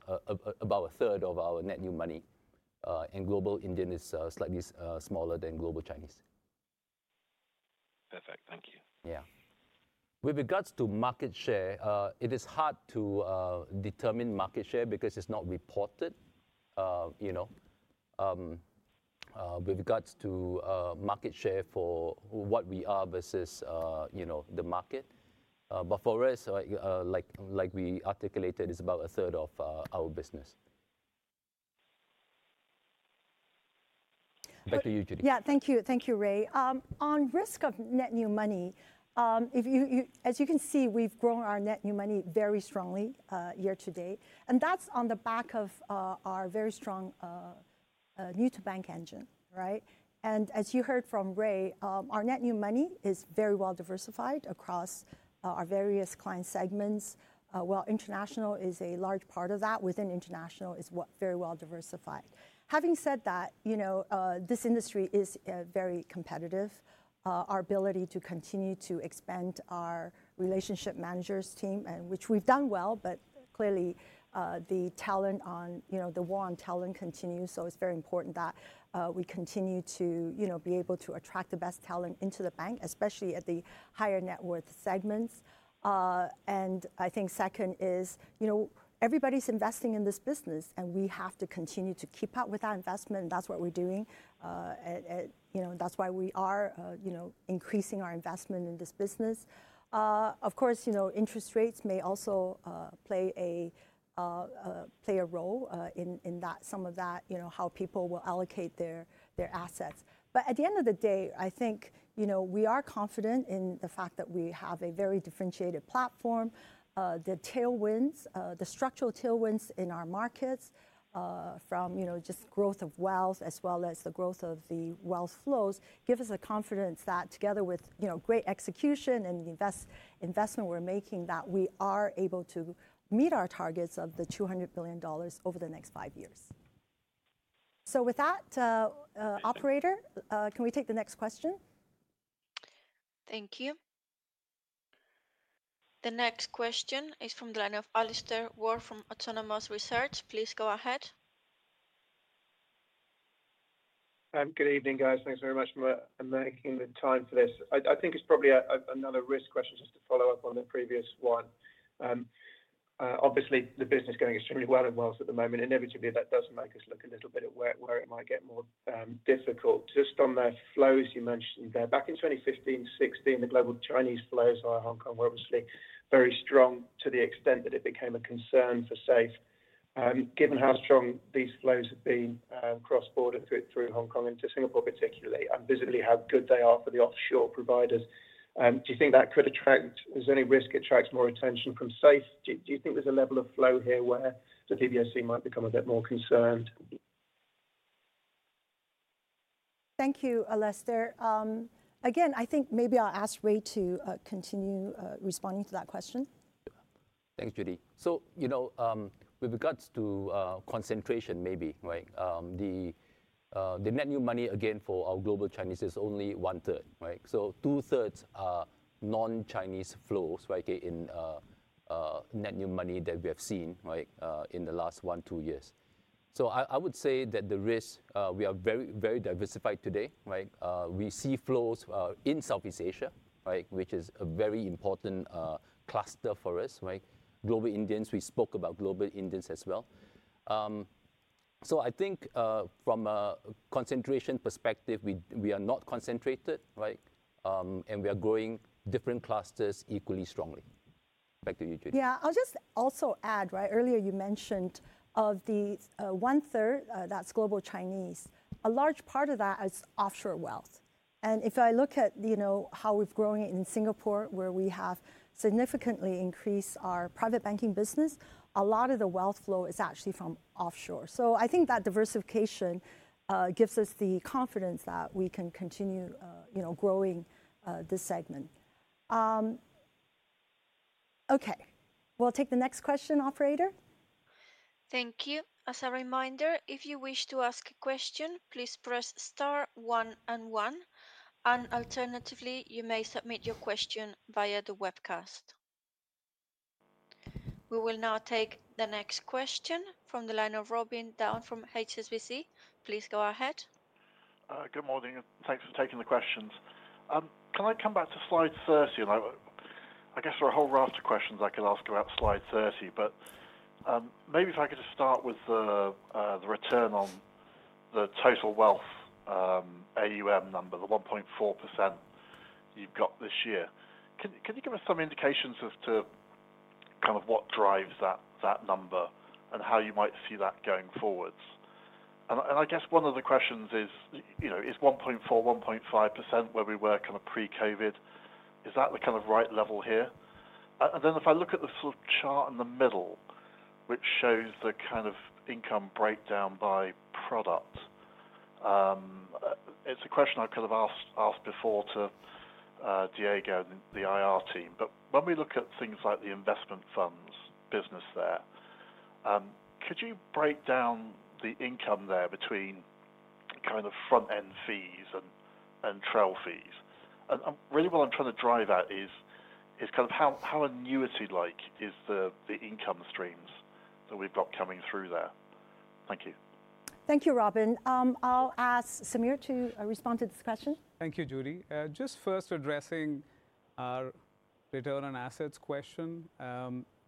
a third of our net new money, and global Indian is slightly smaller than global Chinese. Perfect. Thank you. Yeah. With regards to market share, it is hard to determine market share because it's not reported. With regards to market share for what we are versus the market, but for us, like we articulated, it's about a third of our business. Back to you, Judy. Yeah, thank you, Ray. On risk-adjusted net new money, as you can see, we've grown our net new money very strongly year to date. And that's on the back of our very strong new-to-bank engine. And as you heard from Ray, our net new money is very well diversified across our various client segments. Well, international is a large part of that. Within international is very well diversified. Having said that, this industry is very competitive. Our ability to continue to expand our relationship managers team, which we've done well, but clearly the war on talent continues. So it's very important that we continue to be able to attract the best talent into the bank, especially at the higher net worth segments. And I think second is everybody's investing in this business, and we have to continue to keep up with our investment. That's what we're doing. That's why we are increasing our investment in this business. Of course, interest rates may also play a role in that, some of that, how people will allocate their assets. But at the end of the day, I think we are confident in the fact that we have a very differentiated platform. The tailwinds, the structural tailwinds in our markets from just growth of wealth as well as the growth of the wealth flows give us the confidence that together with great execution and the investment we're making, that we are able to meet our targets of the $200 billion over the next five years. So with that, operator, can we take the next question? Thank you. The next question is from the line of Alistair Ward from Autonomous Research. Please go ahead. Good evening, guys. Thanks very much for making the time for this. I think it's probably another risk question just to follow up on the previous one. Obviously, the business is going extremely well in wealth at the moment. Inevitably, that does make us look a little bit at where it might get more difficult. Just on the flows you mentioned there, back in 2015, 2016, the global Chinese flows via Hong Kong were obviously very strong to the extent that it became a concern for SAFE. Given how strong these flows have been cross-border through Hong Kong into Singapore, particularly, and visibly how good they are for the offshore providers, do you think that could attract, is there any risk it attracts more attention from SAFE? Do you think there's a level of flow here where the PBOC might become a bit more concerned? Thank you, Alistair. Again, I think maybe I'll ask Ray to continue responding to that question. Thanks, Judy. So with regards to concentration, maybe, the net new money again for our global Chinese is only one-third. So two-thirds are non-Chinese flows in net new money that we have seen in the last one, two years. So I would say that the risk, we are very, very diversified today. We see flows in Southeast Asia, which is a very important cluster for us. Global Indians, we spoke about global Indians as well. So I think from a concentration perspective, we are not concentrated, and we are growing different clusters equally strongly. Back to you, Judy. Yeah. I'll just also add, earlier you mentioned the one-third, that's global Chinese. A large part of that is offshore wealth, and if I look at how we've grown in Singapore, where we have significantly increased our Private Banking business, a lot of the wealth flow is actually from offshore. So I think that diversification gives us the confidence that we can continue growing this segment. Okay. We'll take the next question, operator. Thank you. As a reminder, if you wish to ask a question, please press star one and one, and alternatively, you may submit your question via the webcast. We will now take the next question from the line of Robin Down from HSBC. Please go ahead. Good morning. Thanks for taking the questions. Can I come back to slide 30? I guess there are a whole raft of questions I could ask about slide 30, but maybe if I could just start with the return on the total wealth AUM number, the 1.4% you've got this year. Can you give us some indications as to kind of what drives that number and how you might see that going forwards? And I guess one of the questions is, is 1.4%-1.5% where we were kind of pre-COVID? Is that the kind of right level here? And then if I look at the sort of chart in the middle, which shows the kind of income breakdown by product, it's a question I could have asked before to Diego and the IR team. But when we look at things like the investment funds business there, could you break down the income there between kind of front-end fees and trail fees? And really what I'm trying to drive at is kind of how annuity-like is the income streams that we've got coming through there. Thank you. Thank you, Robin. I'll ask Samir to respond to this question. Thank you, Judy. Just first addressing our return on assets question.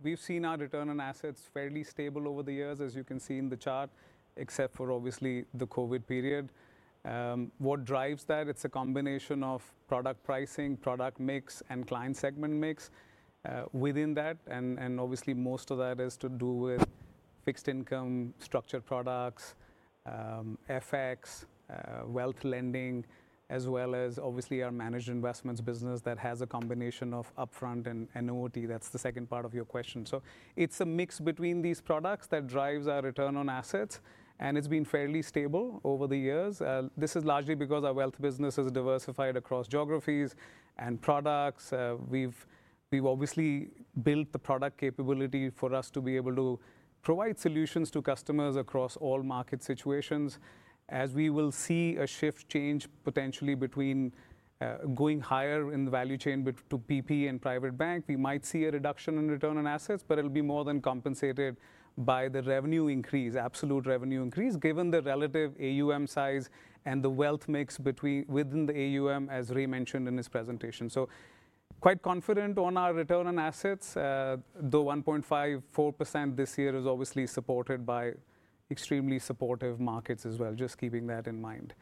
We've seen our return on assets fairly stable over the years, as you can see in the chart, except for obviously the COVID period. What drives that? It's a combination of product pricing, product mix, and client segment mix within that. And obviously, most of that is to do with fixed income structured products, FX, wealth lending, as well as obviously our managed investments business that has a combination of upfront and annuity. That's the second part of your question. So it's a mix between these products that drives our return on assets, and it's been fairly stable over the years. This is largely because our wealth business is diversified across geographies and products. We've obviously built the product capability for us to be able to provide solutions to customers across all market situations. As we will see a shift change potentially between going higher in the value chain to PP and Private Bank, we might see a reduction in return on assets, but it'll be more than compensated by the revenue increase, absolute revenue increase, given the relative AUM size and the wealth mix within the AUM, as Ray mentioned in his presentation. So quite confident on our return on assets, though 1.54% this year is obviously supported by extremely supportive markets as well, just keeping that in mind.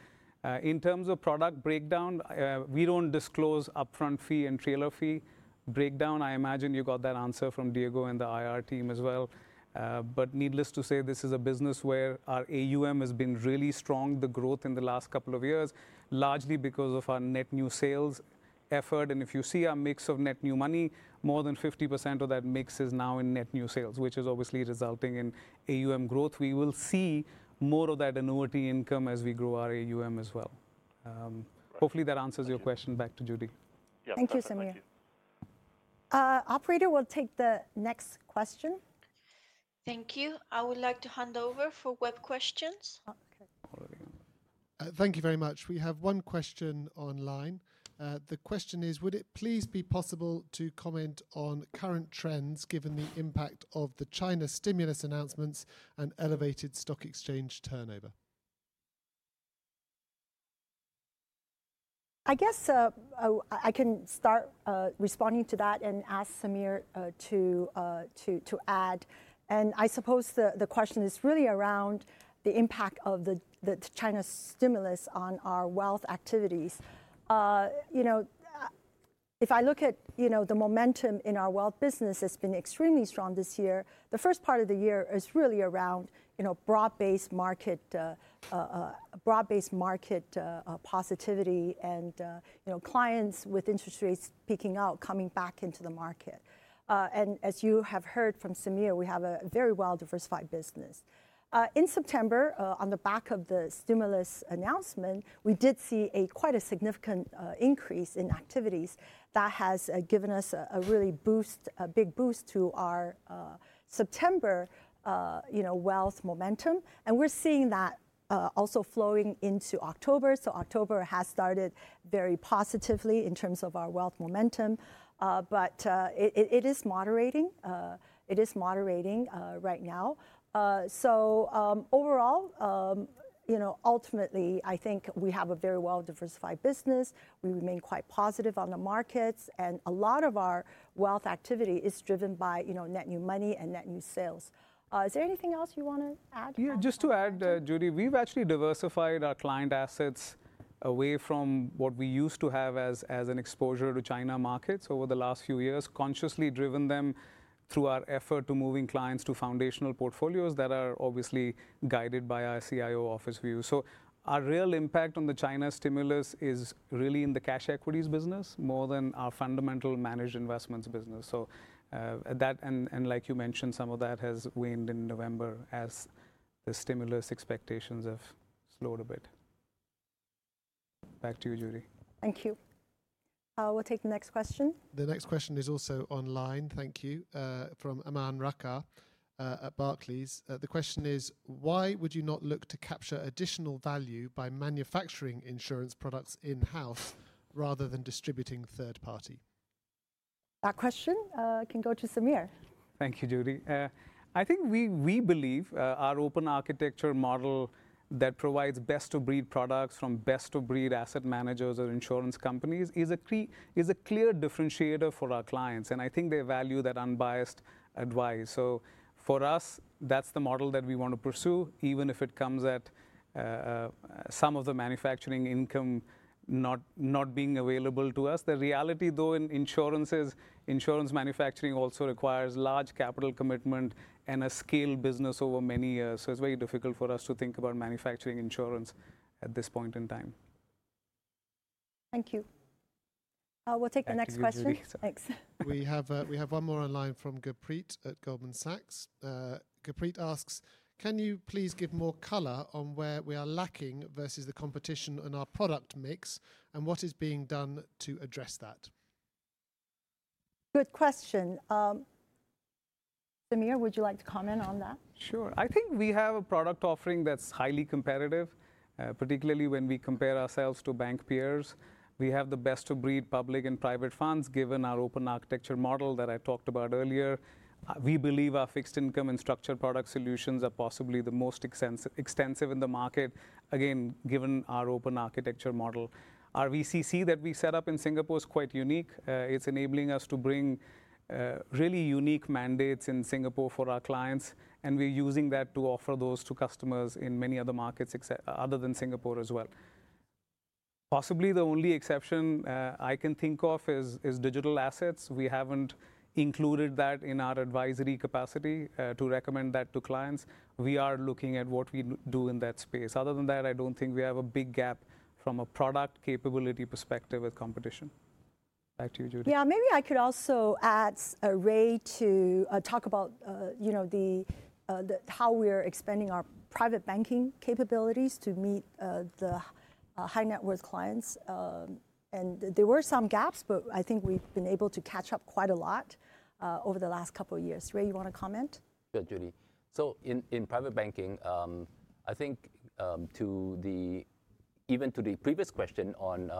In terms of product breakdown, we don't disclose upfront fee and trailer fee breakdown. I imagine you got that answer from Diego and the IR team as well. But needless to say, this is a business where our AUM has been really strong, the growth in the last couple of years, largely because of our net new sales effort. And if you see our mix of net new money, more than 50% of that mix is now in net new sales, which is obviously resulting in AUM growth. We will see more of that annuity income as we grow our AUM as well. Hopefully, that answers your question. Back to Judy. Yes. Thank you, Samir. Operator, we'll take the next question. Thank you. I would like to hand over for web questions. Thank you very much. We have one question online. The question is, would it please be possible to comment on current trends given the impact of the China stimulus announcements and elevated stock exchange turnover? I guess I can start responding to that and ask Samir to add. And I suppose the question is really around the impact of the China stimulus on our wealth activities. If I look at the momentum in our wealth business, it's been extremely strong this year. The first part of the year is really around broad-based market positivity and clients with interest rates peaking out, coming back into the market. And as you have heard from Samir, we have a very well-diversified business. In September, on the back of the stimulus announcement, we did see quite a significant increase in activities. That has given us a really big boost to our September wealth momentum. We're seeing that also flowing into October. October has started very positively in terms of our wealth momentum, but it is moderating. It is moderating right now. Overall, ultimately, I think we have a very well-diversified business. We remain quite positive on the markets, and a lot of our wealth activity is driven by net new money and net new sales. Is there anything else you want to add? Yeah, just to add, Judy, we've actually diversified our client assets away from what we used to have as an exposure to China markets over the last few years, consciously driven them through our effort to moving clients to foundational portfolios that are obviously guided by our CIO Office view. So our real impact on the China stimulus is really in the cash equities business more than our fundamental managed investments business, and like you mentioned, some of that has waned in November as the stimulus expectations have slowed a bit. Back to you, Judy. Thank you. We'll take the next question. The next question is also online. Thank you. From Aman Rakkar at Barclays. The question is, why would you not look to capture additional value by manufacturing insurance products in-house rather than distributing third-party? That question can go to Samir. Thank you, Judy. I think we believe our open architecture model that provides best-of-breed products from best-of-breed asset managers or insurance companies is a clear differentiator for our clients. And I think they value that unbiased advice. So for us, that's the model that we want to pursue, even if it comes at some of the manufacturing income not being available to us. The reality, though, in insurance is insurance manufacturing also requires large capital commitment and a scaled business over many years. So it's very difficult for us to think about manufacturing insurance at this point in time. Thank you. We'll take the next question. Thanks. We have one more online from Gurpreet at Goldman Sachs. Gurpreet asks, can you please give more color on where we are lacking versus the competition in our product mix and what is being done to address that? Good question. Samir, would you like to comment on that? Sure. I think we have a product offering that's highly competitive, particularly when we compare ourselves to bank peers. We have the best-of-breed public and private funds given our open architecture model that I talked about earlier. We believe our fixed income and structured product solutions are possibly the most extensive in the market, again, given our open architecture model. Our VCC that we set up in Singapore is quite unique. It's enabling us to bring really unique mandates in Singapore for our clients, and we're using that to offer those to customers in many other markets other than Singapore as well. Possibly the only exception I can think of is digital assets. We haven't included that in our advisory capacity to recommend that to clients. We are looking at what we do in that space. Other than that, I don't think we have a big gap from a product capability perspective with competition. Back to you, Judy. Yeah, maybe I could also add, Ray, to talk about how we're expanding our Private Banking capabilities to meet the high-net-worth clients. And there were some gaps, but I think we've been able to catch up quite a lot over the last couple of years. Ray, you want to comment? Yeah, Judy. So in Private Banking, I think even to the previous question on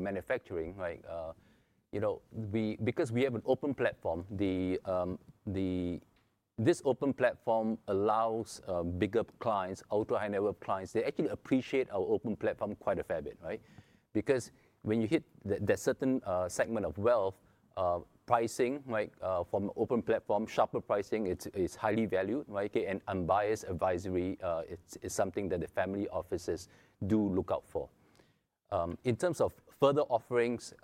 manufacturing, because we have an open platform, this open platform allows bigger clients, ultra-high-net-worth clients. They actually appreciate our open platform quite a fair bit. Because when you hit that certain segment of wealth, pricing from open platform, sharper pricing, it's highly valued. And unbiased advisory is something that the family offices do look out for. In terms of further offerings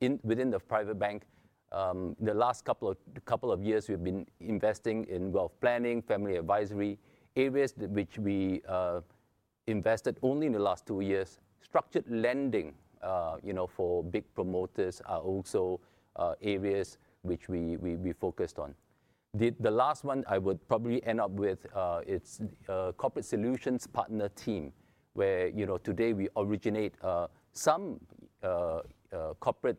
within the Private Bank, the last couple of years, we've been investing in wealth planning, family advisory areas, which we invested only in the last two years. Structured lending for big promoters are also areas which we focused on. The last one I would probably end up with is corporate solutions partner team, where today we originate some corporate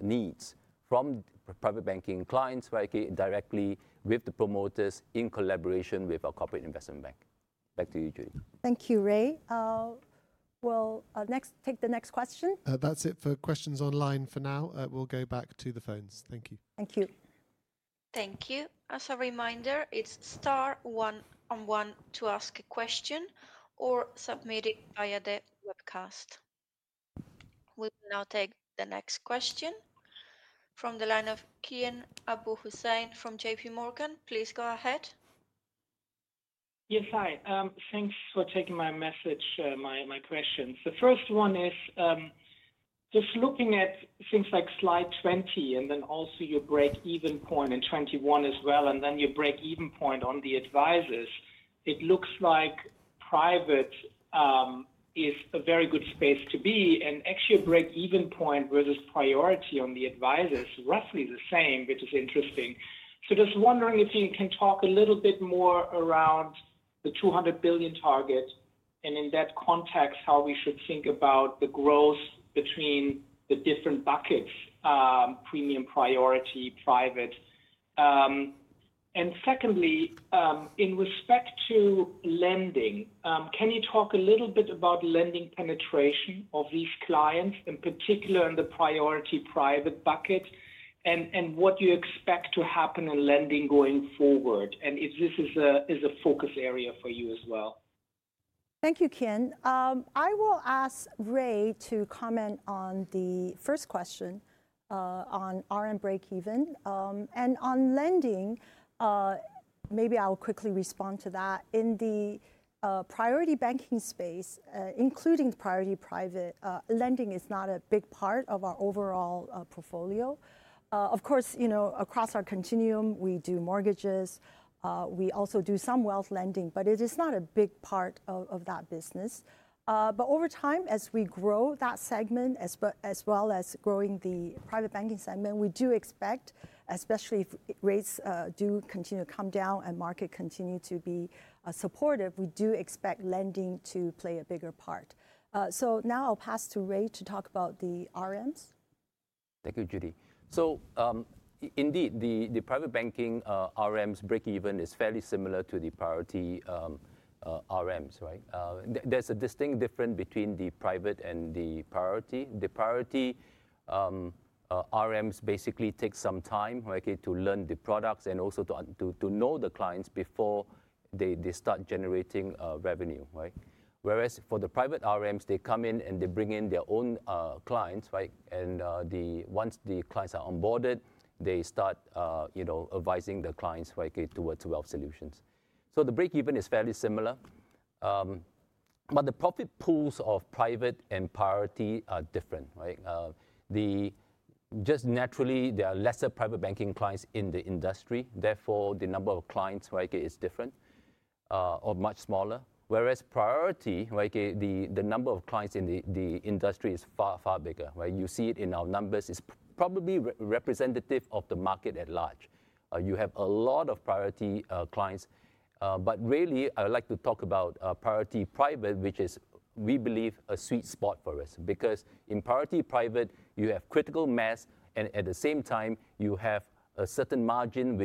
needs from Private Banking clients directly with the promoters in collaboration with our Corporate Investment Bank. Back to you, Judy. Thank you, Ray. We'll take the next question. That's it for questions online for now. We'll go back to the phones. Thank you. Thank you. Thank you. As a reminder, it's star 101 to ask a question or submit it via the webcast. We will now take the next question from the line of Kian Abouhossein from J.P. Morgan. Please go ahead. Yes, hi. Thanks for taking my message, my questions. The first one is just looking at things like slide 20 and then also your break-even point in 21 as well, and then your break-even point on the advisors. It looks like private is a very good space to be. And actually, your break-even point versus Priority on the advisors is roughly the same, which is interesting. So just wondering if you can talk a little bit more around the $200 billion target and in that context, how we should think about the growth between the different buckets, Premium, Priority, Private? And secondly, in respect to lending, can you talk a little bit about lending penetration of these clients, in particular in the Priority Private bucket, and what you expect to happen in lending going forward, and if this is a focus area for you as well? Thank you, Kian. I will ask Ray to comment on the first question on RoA and break-even, and on lending, maybe I'll quickly respond to that. In the Priority Banking space, including the Priority Private, lending is not a big part of our overall portfolio. Of course, across our continuum, we do mortgages. We also do some wealth lending, but it is not a big part of that business, but over time, as we grow that segment, as well as growing the Private Banking segment, we do expect, especially if rates do continue to come down and market continue to be supportive, we do expect lending to play a bigger part, so now I'll pass to Ray to talk about the RMs. Thank you, Judy. So indeed, the Private Banking RMs break-even is fairly similar to the Priority RMs. There's a distinct difference between the private and the Priority. The Priority RMs basically take some time to learn the products and also to know the clients before they start generating revenue. Whereas for the private RMs, they come in and they bring in their own clients, and once the clients are onboarded, they start advising the clients towards Wealth Solutions, so the break-even is fairly similar, but the profit pools of Private and Priority are different. Just naturally, there are lesser Private Banking clients in the industry. Therefore, the number of clients is different or much smaller. Whereas Priority, the number of clients in the industry is far, far bigger. You see it in our numbers. It's probably representative of the market at large. You have a lot of Priority clients. But really, I would like to talk about Priority Private, which is, we believe, a sweet spot for us. Because in Priority Private, you have critical mass, and at the same time, you have a certain margin,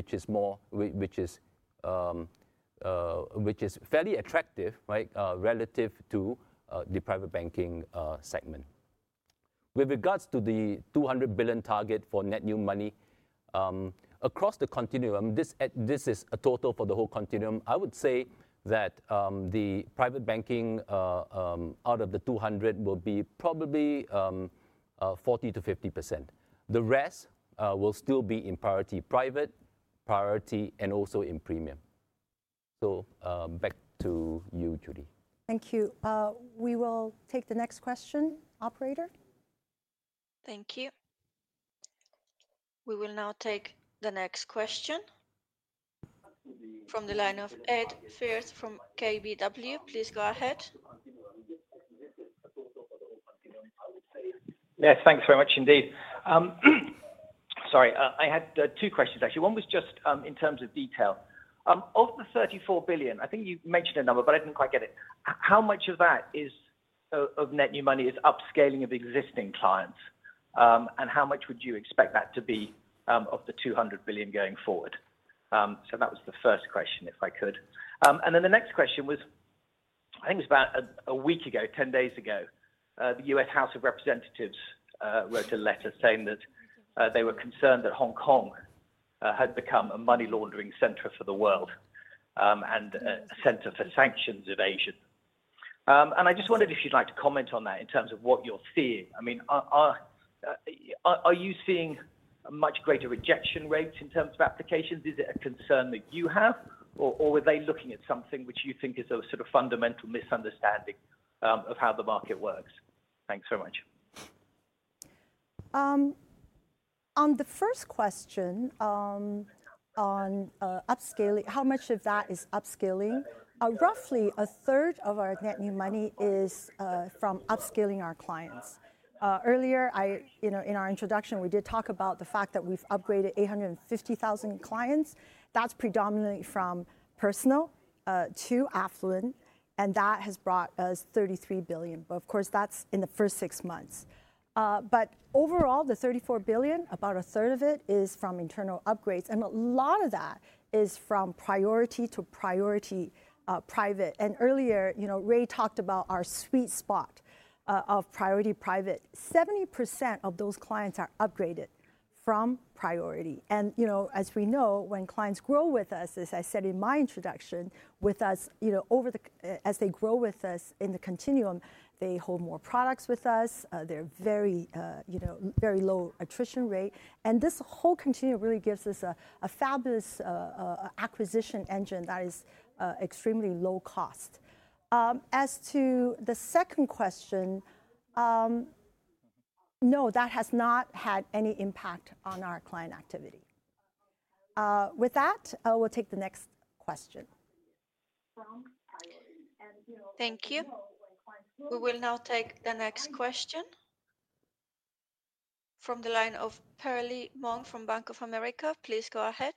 which is fairly attractive relative to the Private Banking segment. With regards to the $200 billion target for net new money, across the continuum, this is a total for the whole continuum. I would say that the Private Banking out of the 200 will be probably 40%-50%. The rest will still be in Priority Private, Priority, and also in Premium. so back to you, Judy Hsu. Thank you. We will take the next question, Operator. Thank you. We will now take the next question from the line of Ed Firth from KBW. Please go ahead. Yes, thanks very much indeed. Sorry, I had two questions, actually. One was just in terms of detail. Of the $34 billion, I think you mentioned a number, but I didn't quite get it. How much of that net new money is upscaling of existing clients, and how much would you expect that to be of the $200 billion going forward? So that was the first question, if I could. And then the next question was, I think it was about a week ago, 10 days ago, the U.S. House of Representatives wrote a letter saying that they were concerned that Hong Kong had become a money-laundering center for the world and a center for sanctions evasion. And I just wondered if you'd like to comment on that in terms of what you're seeing. I mean, are you seeing much greater rejection rates in terms of applications? Is it a concern that you have, or were they looking at something which you think is a sort of fundamental misunderstanding of how the market works? Thanks very much. On the first question on upscaling, how much of that is upscaling? Roughly a third of our net new money is from upscaling our clients. Earlier, in our introduction, we did talk about the fact that we've upgraded 850,000 clients. That's predominantly from Personal to affluent, and that has brought us $33 billion. But of course, that's in the first six months. But overall, the $34 billion, about a third of it is from internal upgrades, and a lot of that is from Priority to Priority Private. And earlier, Ray talked about our sweet spot of Priority Private. 70% of those clients are upgraded from Priority. And as we know, when clients grow with us, as I said in my introduction, as they grow with us in the continuum, they hold more products with us. They're very low attrition rate. This whole continuum really gives us a fabulous acquisition engine that is extremely low cost. As to the second question, no, that has not had any impact on our client activity. With that, we'll take the next question. Thank you. We will now take the next question from the line of Perlie Mong from Bank of America. Please go ahead.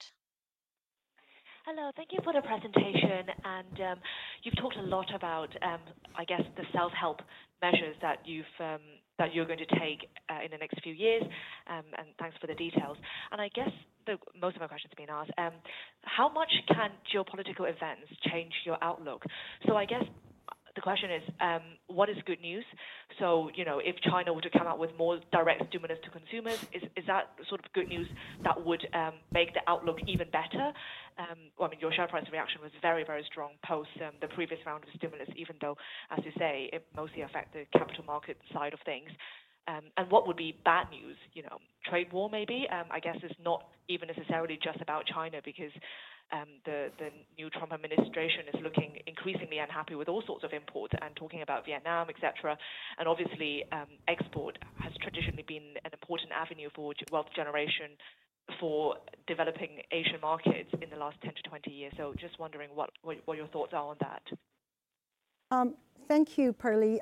Hello. Thank you for the presentation. And you've talked a lot about, I guess, the self-help measures that you're going to take in the next few years. And thanks for the details. And I guess most of my questions have been asked. How much can geopolitical events change your outlook? So I guess the question is, what is good news? So if China were to come out with more direct stimulus to consumers, is that sort of good news that would make the outlook even better? I mean, your share price reaction was very, very strong post the previous round of stimulus, even though, as you say, it mostly affected the capital market side of things. And what would be bad news? Trade war, maybe? I guess it's not even necessarily just about China because the new Trump administration is looking increasingly unhappy with all sorts of imports and talking about Vietnam, etc., and obviously, export has traditionally been an important avenue for wealth generation for developing Asian markets in the last 10-20 years, so just wondering what your thoughts are on that. Thank you, Perli.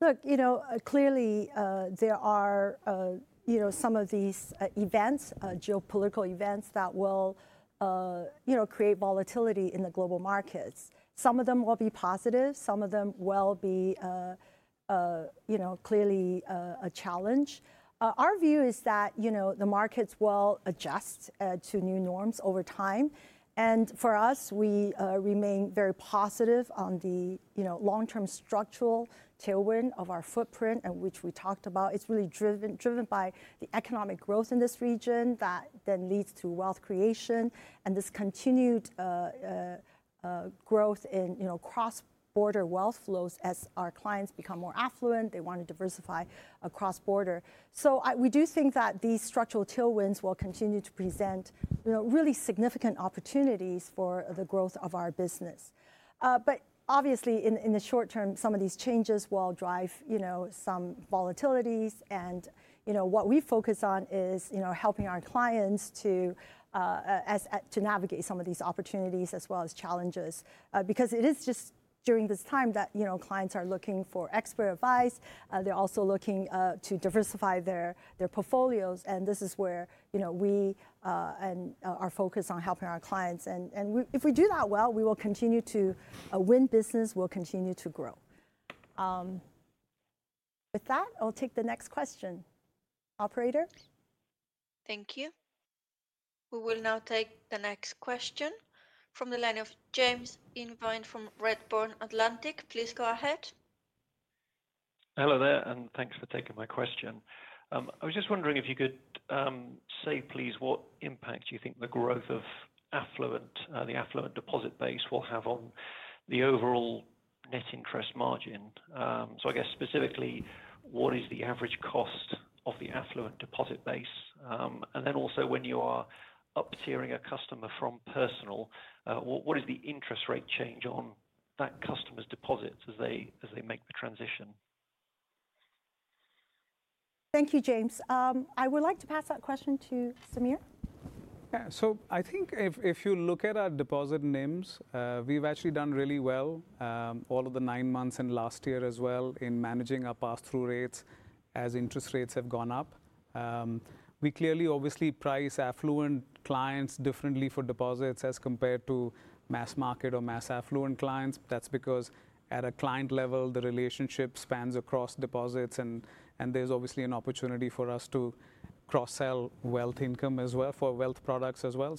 Look, clearly, there are some of these events, geopolitical events that will create volatility in the global markets. Some of them will be positive. Some of them will be clearly a challenge. Our view is that the markets will adjust to new norms over time, and for us, we remain very positive on the long-term structural tailwind of our footprint, which we talked about. It's really driven by the economic growth in this region that then leads to wealth creation and this continued growth in cross-border wealth flows as our clients become more affluent. They want to diversify across borders, so we do think that these structural tailwinds will continue to present really significant opportunities for the growth of our business, but obviously, in the short term, some of these changes will drive some volatilities. And what we focus on is helping our clients to navigate some of these opportunities as well as challenges. Because it is just during this time that clients are looking for expert advice. They're also looking to diversify their portfolios. And this is where we are focused on helping our clients. And if we do that well, we will continue to win business. We'll continue to grow. With that, I'll take the next question, Operator. Thank you. We will now take the next question from the line of James Invine from Redburn Atlantic. Please go ahead. Hello there, and thanks for taking my question. I was just wondering if you could say, please, what impact you think the growth of the affluent deposit base will have on the overall net interest margin. So I guess specifically, what is the average cost of the affluent deposit base? And then also, when you are upselling a customer from Personal, what is the interest rate change on that customer's deposits as they make the transition? Thank you, James. I would like to pass that question to Samir. Yeah, so I think if you look at our deposit betas, we've actually done really well all of the nine months and last year as well in managing our pass-through rates as interest rates have gone up. We clearly, obviously, price affluent clients differently for deposits as compared to mass market or mass affluent clients. That's because at a client level, the relationship spans across deposits, and there's obviously an opportunity for us to cross-sell wealth income as well for wealth products as well.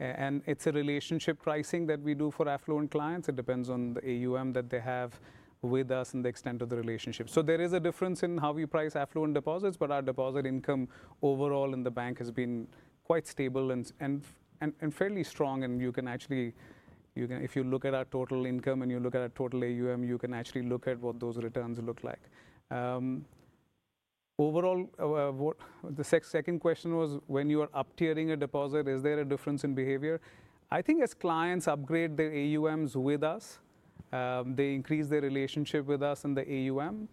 And it's a relationship pricing that we do for affluent clients. It depends on the AUM that they have with us and the extent of the relationship. So there is a difference in how we price affluent deposits, but our deposit income overall in the bank has been quite stable and fairly strong. And if you look at our total income and you look at our total AUM, you can actually look at what those returns look like. Overall, the second question was, when you are up-tiering a deposit, is there a difference in behavior? I think as clients upgrade their AUMs with us, they increase their relationship with us and the AUM.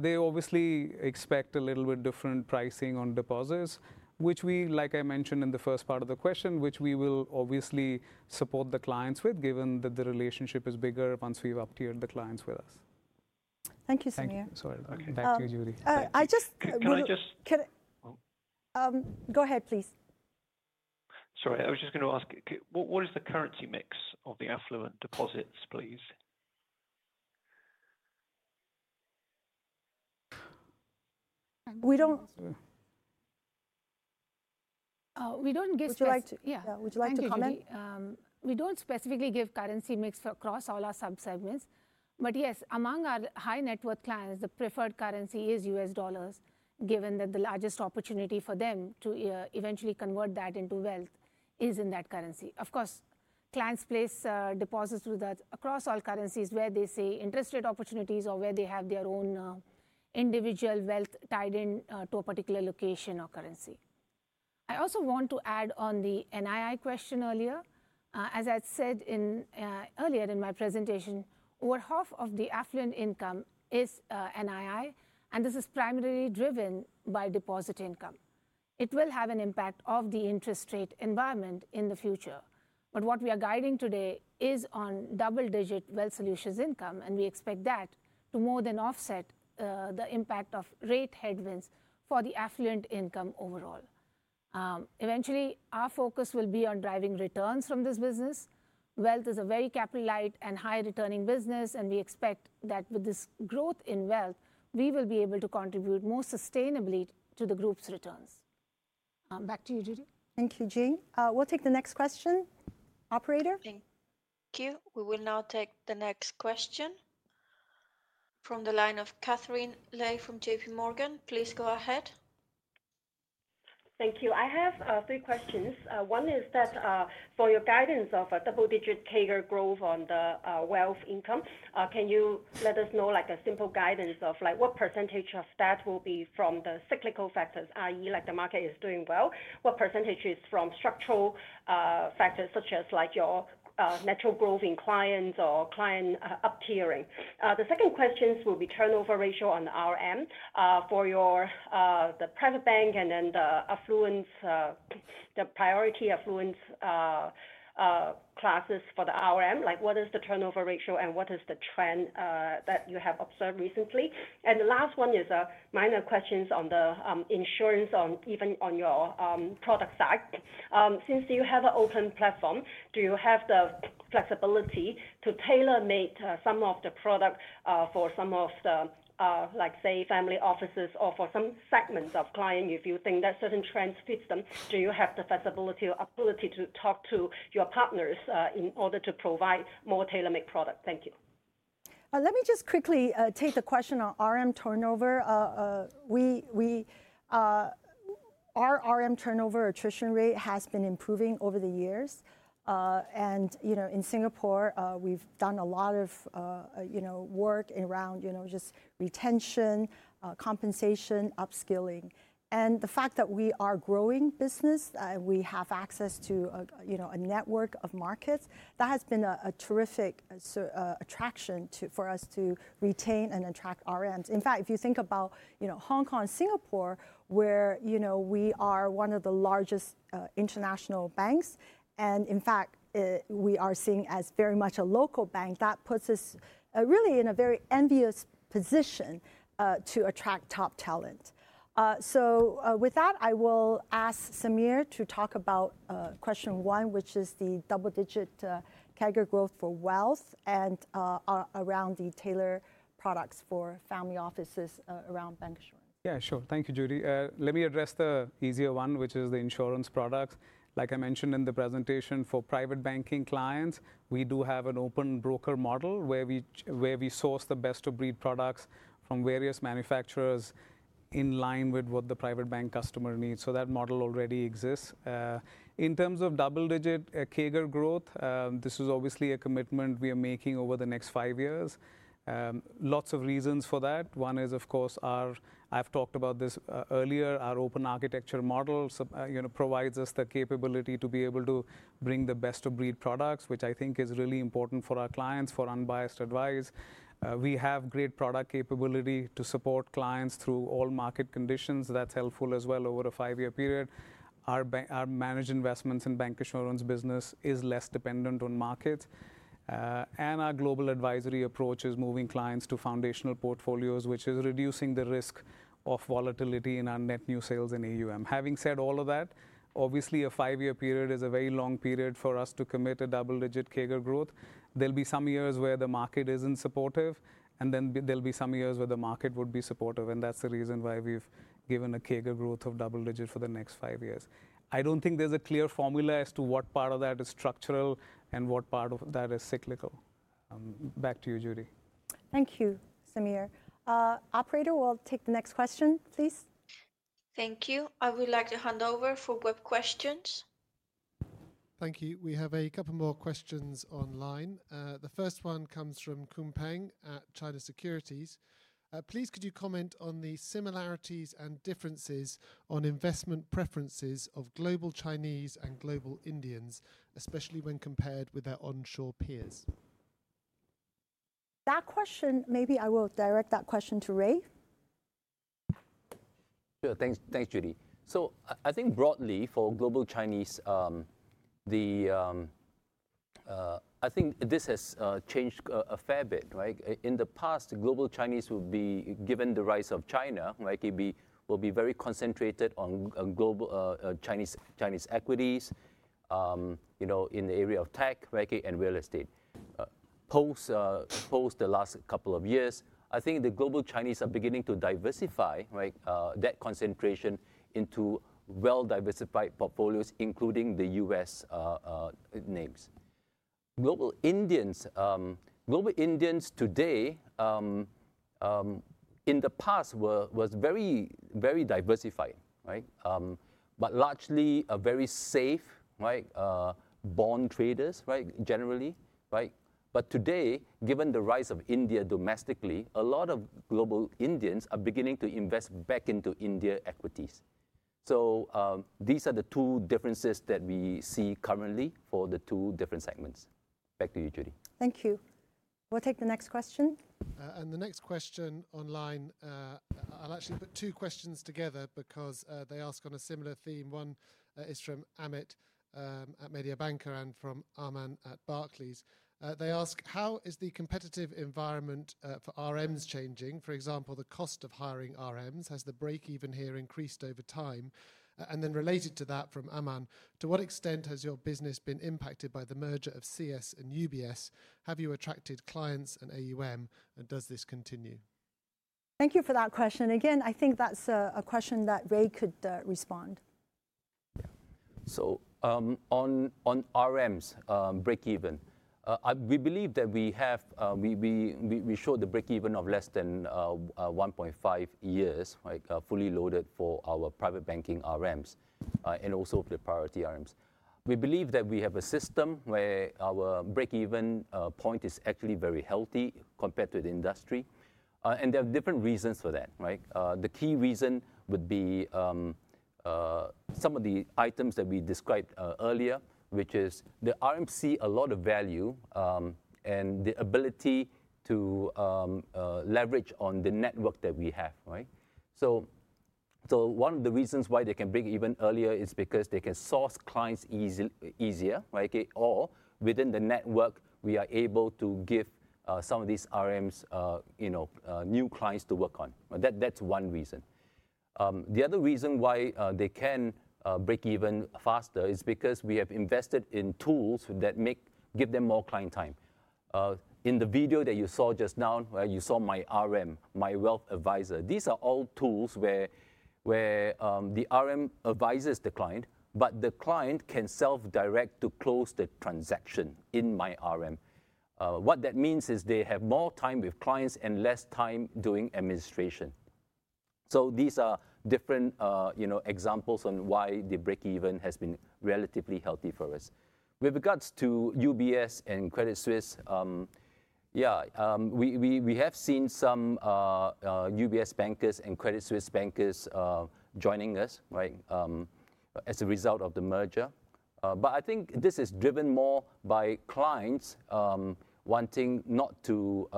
They obviously expect a little bit different pricing on deposits, which we, like I mentioned in the first part of the question, which we will obviously support the clients with, given that the relationship is bigger once we've up-tiered the clients with us. Thank you, Samir. Thank you, Judy. I just. Can I. Go ahead, please. Sorry, I was just going to ask, what is the currency mix of the affluent deposits, please? We don't. We don't give to. Would you like to comment? We don't specifically give currency mix across all our subsegments. But yes, among our high net worth clients, the preferred currency is U.S. dollars, given that the largest opportunity for them to eventually convert that into wealth is in that currency. Of course, clients place deposits across all currencies where they see interest rate opportunities or where they have their own individual wealth tied in to a particular location or currency. I also want to add on the NII question earlier. As I said earlier in my presentation, over half of the affluent income is NII, and this is primarily driven by deposit income. It will have an impact on the interest rate environment in the future. But what we are guiding today is on double-digit Wealth Solutions income, and we expect that to more than offset the impact of rate headwinds for the affluent income overall. Eventually, our focus will be on driving returns from this business. Wealth is a very capital-light and high-returning business, and we expect that with this growth in wealth, we will be able to contribute more sustainably to the group's returns. Back to you, Judy. Thank you, Jean. We'll take the next question, Operator. Thank you. We will now take the next question from the line of Katherine Lei from J.P. Morgan. Please go ahead. Thank you. I have three questions. One is that for your guidance of a double-digit CAGR growth on the wealth income, can you let us know a simple guidance of what percentage of that will be from the cyclical factors, i.e., the market is doing well? What percentage is from structural factors, such as your network growth in clients or client uptiering? The second question will be turnover ratio on the RM for the Private Bank and then the Priority affluent classes for the RM. What is the turnover ratio, and what is the trend that you have observed recently? And the last one is minor questions on the insurance, even on your product side. Since you have an open platform, do you have the flexibility to tailor-make some of the product for some of the, say, family offices or for some segments of clients? If you think that certain trends fit them, do you have the flexibility or ability to talk to your partners in order to provide more tailor-made product? Thank you. Let me just quickly take the question on RM turnover. Our RM turnover attrition rate has been improving over the years, and in Singapore, we've done a lot of work around just retention, compensation, upskilling. And the fact that we are a growing business, we have access to a network of markets, that has been a terrific attraction for us to retain and attract RMs. In fact, if you think about Hong Kong and Singapore, where we are one of the largest international banks, and in fact, we are seen as very much a local bank, that puts us really in a very envious position to attract top talent, so with that, I will ask Samir to talk about question one, which is the double-digit CAGR growth for wealth and around the tailored products for family offices around bancassurance. Yeah, sure. Thank you, Judy. Let me address the easier one, which is the insurance products. Like I mentioned in the presentation, for Private Banking clients, we do have an open broker model where we source the best-of-breed products from various manufacturers in line with what the Private Bank customer needs. So that model already exists. In terms of double-digit CAGR growth, this is obviously a commitment we are making over the next five years. Lots of reasons for that. One is, of course, I've talked about this earlier. Our open architecture model provides us the capability to be able to bring the best-of-breed products, which I think is really important for our clients for unbiased advice. We have great product capability to support clients through all market conditions. That's helpful as well over a five-year period. Our managed investments in bancassurance business is less dependent on markets. And our global advisory approach is moving clients to foundational portfolios, which is reducing the risk of volatility in our net new sales in AUM. Having said all of that, obviously, a five-year period is a very long period for us to commit a double-digit CAGR growth. There'll be some years where the market isn't supportive, and then there'll be some years where the market would be supportive. And that's the reason why we've given a CAGR growth of double-digit for the next five years. I don't think there's a clear formula as to what part of that is structural and what part of that is cyclical. Back to you, Judy. Thank you, Samir. Operator, we'll take the next question, please. Thank you. I would like to hand over for web questions. Thank you. We have a couple more questions online. The first one comes from Kunpeng at China Securities. Please, could you comment on the similarities and differences on investment preferences of global Chinese and global Indians, especially when compared with their onshore peers? That question, maybe I will direct that question to Ray. Sure. Thanks, Judy. So I think broadly for global Chinese, I think this has changed a fair bit. In the past, global Chinese would be given the rise of China, will be very concentrated on Chinese equities in the area of tech and real estate. Post the last couple of years, I think the global Chinese are beginning to diversify that concentration into well-diversified portfolios, including the U.S. names. Global Indians today, in the past, were very diversified, but largely very safe-haven traders, generally. But today, given the rise of India domestically, a lot of global Indians are beginning to invest back into India equities. So these are the two differences that we see currently for the two different segments. Back to you, Judy. Thank you. We'll take the next question. And the next question online, I'll actually put two questions together because they ask on a similar theme. One is from Amit at Mediobanca and from Aman at Barclays. They ask, how is the competitive environment for RMs changing? For example, the cost of hiring RMs, has the break-even here increased over time? And then related to that from Aman, to what extent has your business been impacted by the merger of CS and UBS? Have you attracted clients and AUM, and does this continue? Thank you for that question. Again, I think that's a question that Ray could respond. So on RMs break-even, we believe that we showed the break-even of less than 1.5 years fully loaded for our Private Banking RMs and also for the Priority RMs. We believe that we have a system where our break-even point is actually very healthy compared to the industry. And there are different reasons for that. The key reason would be some of the items that we described earlier, which is the RMs see a lot of value and the ability to leverage on the network that we have. So one of the reasons why they can break-even earlier is because they can source clients easier, or within the network, we are able to give some of these RMs new clients to work on. That's one reason. The other reason why they can break-even faster is because we have invested in tools that give them more client time. In the video that you saw just now, you saw My RM, My Wealth Advisor. These are all tools where the RM advises the client, but the client can self-direct to close the transaction in My RM. What that means is they have more time with clients and less time doing administration. So these are different examples on why the break-even has been relatively healthy for us. With regards to UBS and Credit Suisse, yeah, we have seen some UBS bankers and Credit Suisse bankers joining us as a result of the merger. But I think this is driven more by clients wanting not to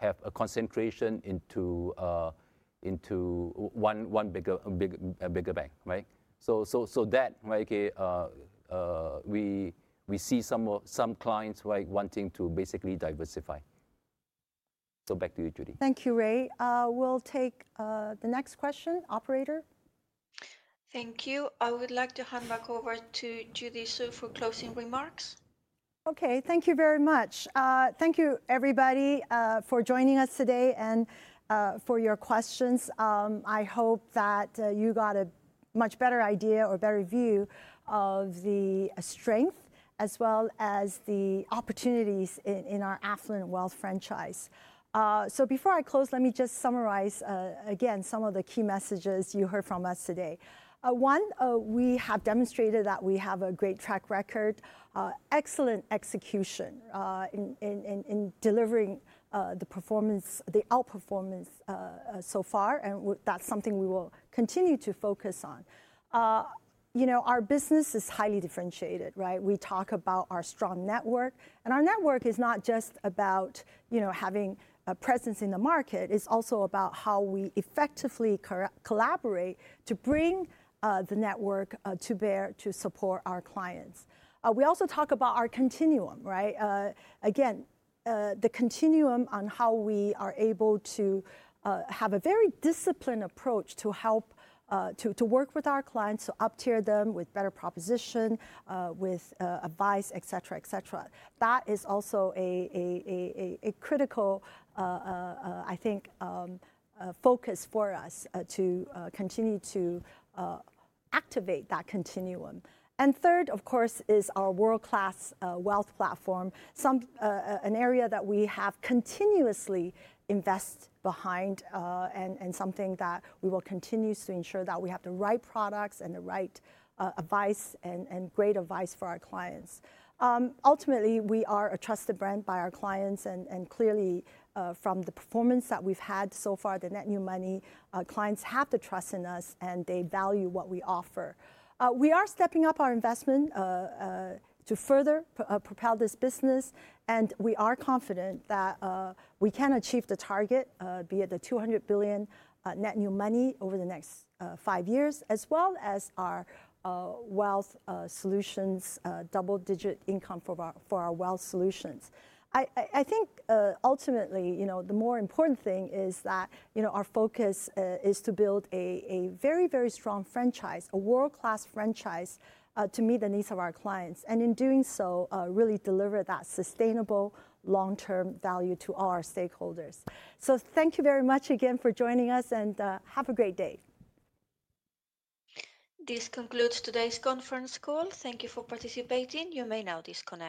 have a concentration into one bigger bank. So that, we see some clients wanting to basically diversify. So back to you, Judy. Thank you, Ray. We'll take the next question, Operator. Thank you. I would like to hand back over to Judy Hsu for closing remarks. Okay, thank you very much. Thank you, everybody, for joining us today and for your questions. I hope that you got a much better idea or better view of the strength as well as the opportunities in our affluent wealth franchise. So before I close, let me just summarize again some of the key messages you heard from us today. One, we have demonstrated that we have a great track record, excellent execution in delivering the outperformance so far, and that's something we will continue to focus on. Our business is highly differentiated. We talk about our strong network, and our network is not just about having a presence in the market. It's also about how we effectively collaborate to bring the network to bear to support our clients. We also talk about our continuum. Again, the continuum on how we are able to have a very disciplined approach to work with our clients, to uptier them with better proposition, with advice, et cetera, et cetera. That is also a critical, I think, focus for us to continue to activate that continuum. And third, of course, is our world-class wealth platform, an area that we have continuously invested behind and something that we will continue to ensure that we have the right products and the right advice and great advice for our clients. Ultimately, we are a trusted brand by our clients, and clearly, from the performance that we've had so far, the net new money, clients have the trust in us, and they value what we offer. We are stepping up our investment to further propel this business, and we are confident that we can achieve the target, be it the $200 billion net new money over the next five years, as well as our Wealth Solutions, double-digit income for our Wealth Solutions. I think ultimately, the more important thing is that our focus is to build a very, very strong franchise, a world-class franchise to meet the needs of our clients, and in doing so, really deliver that sustainable long-term value to our stakeholders. So thank you very much again for joining us, and have a great day. This concludes today's conference call. Thank you for participating. You may now disconnect.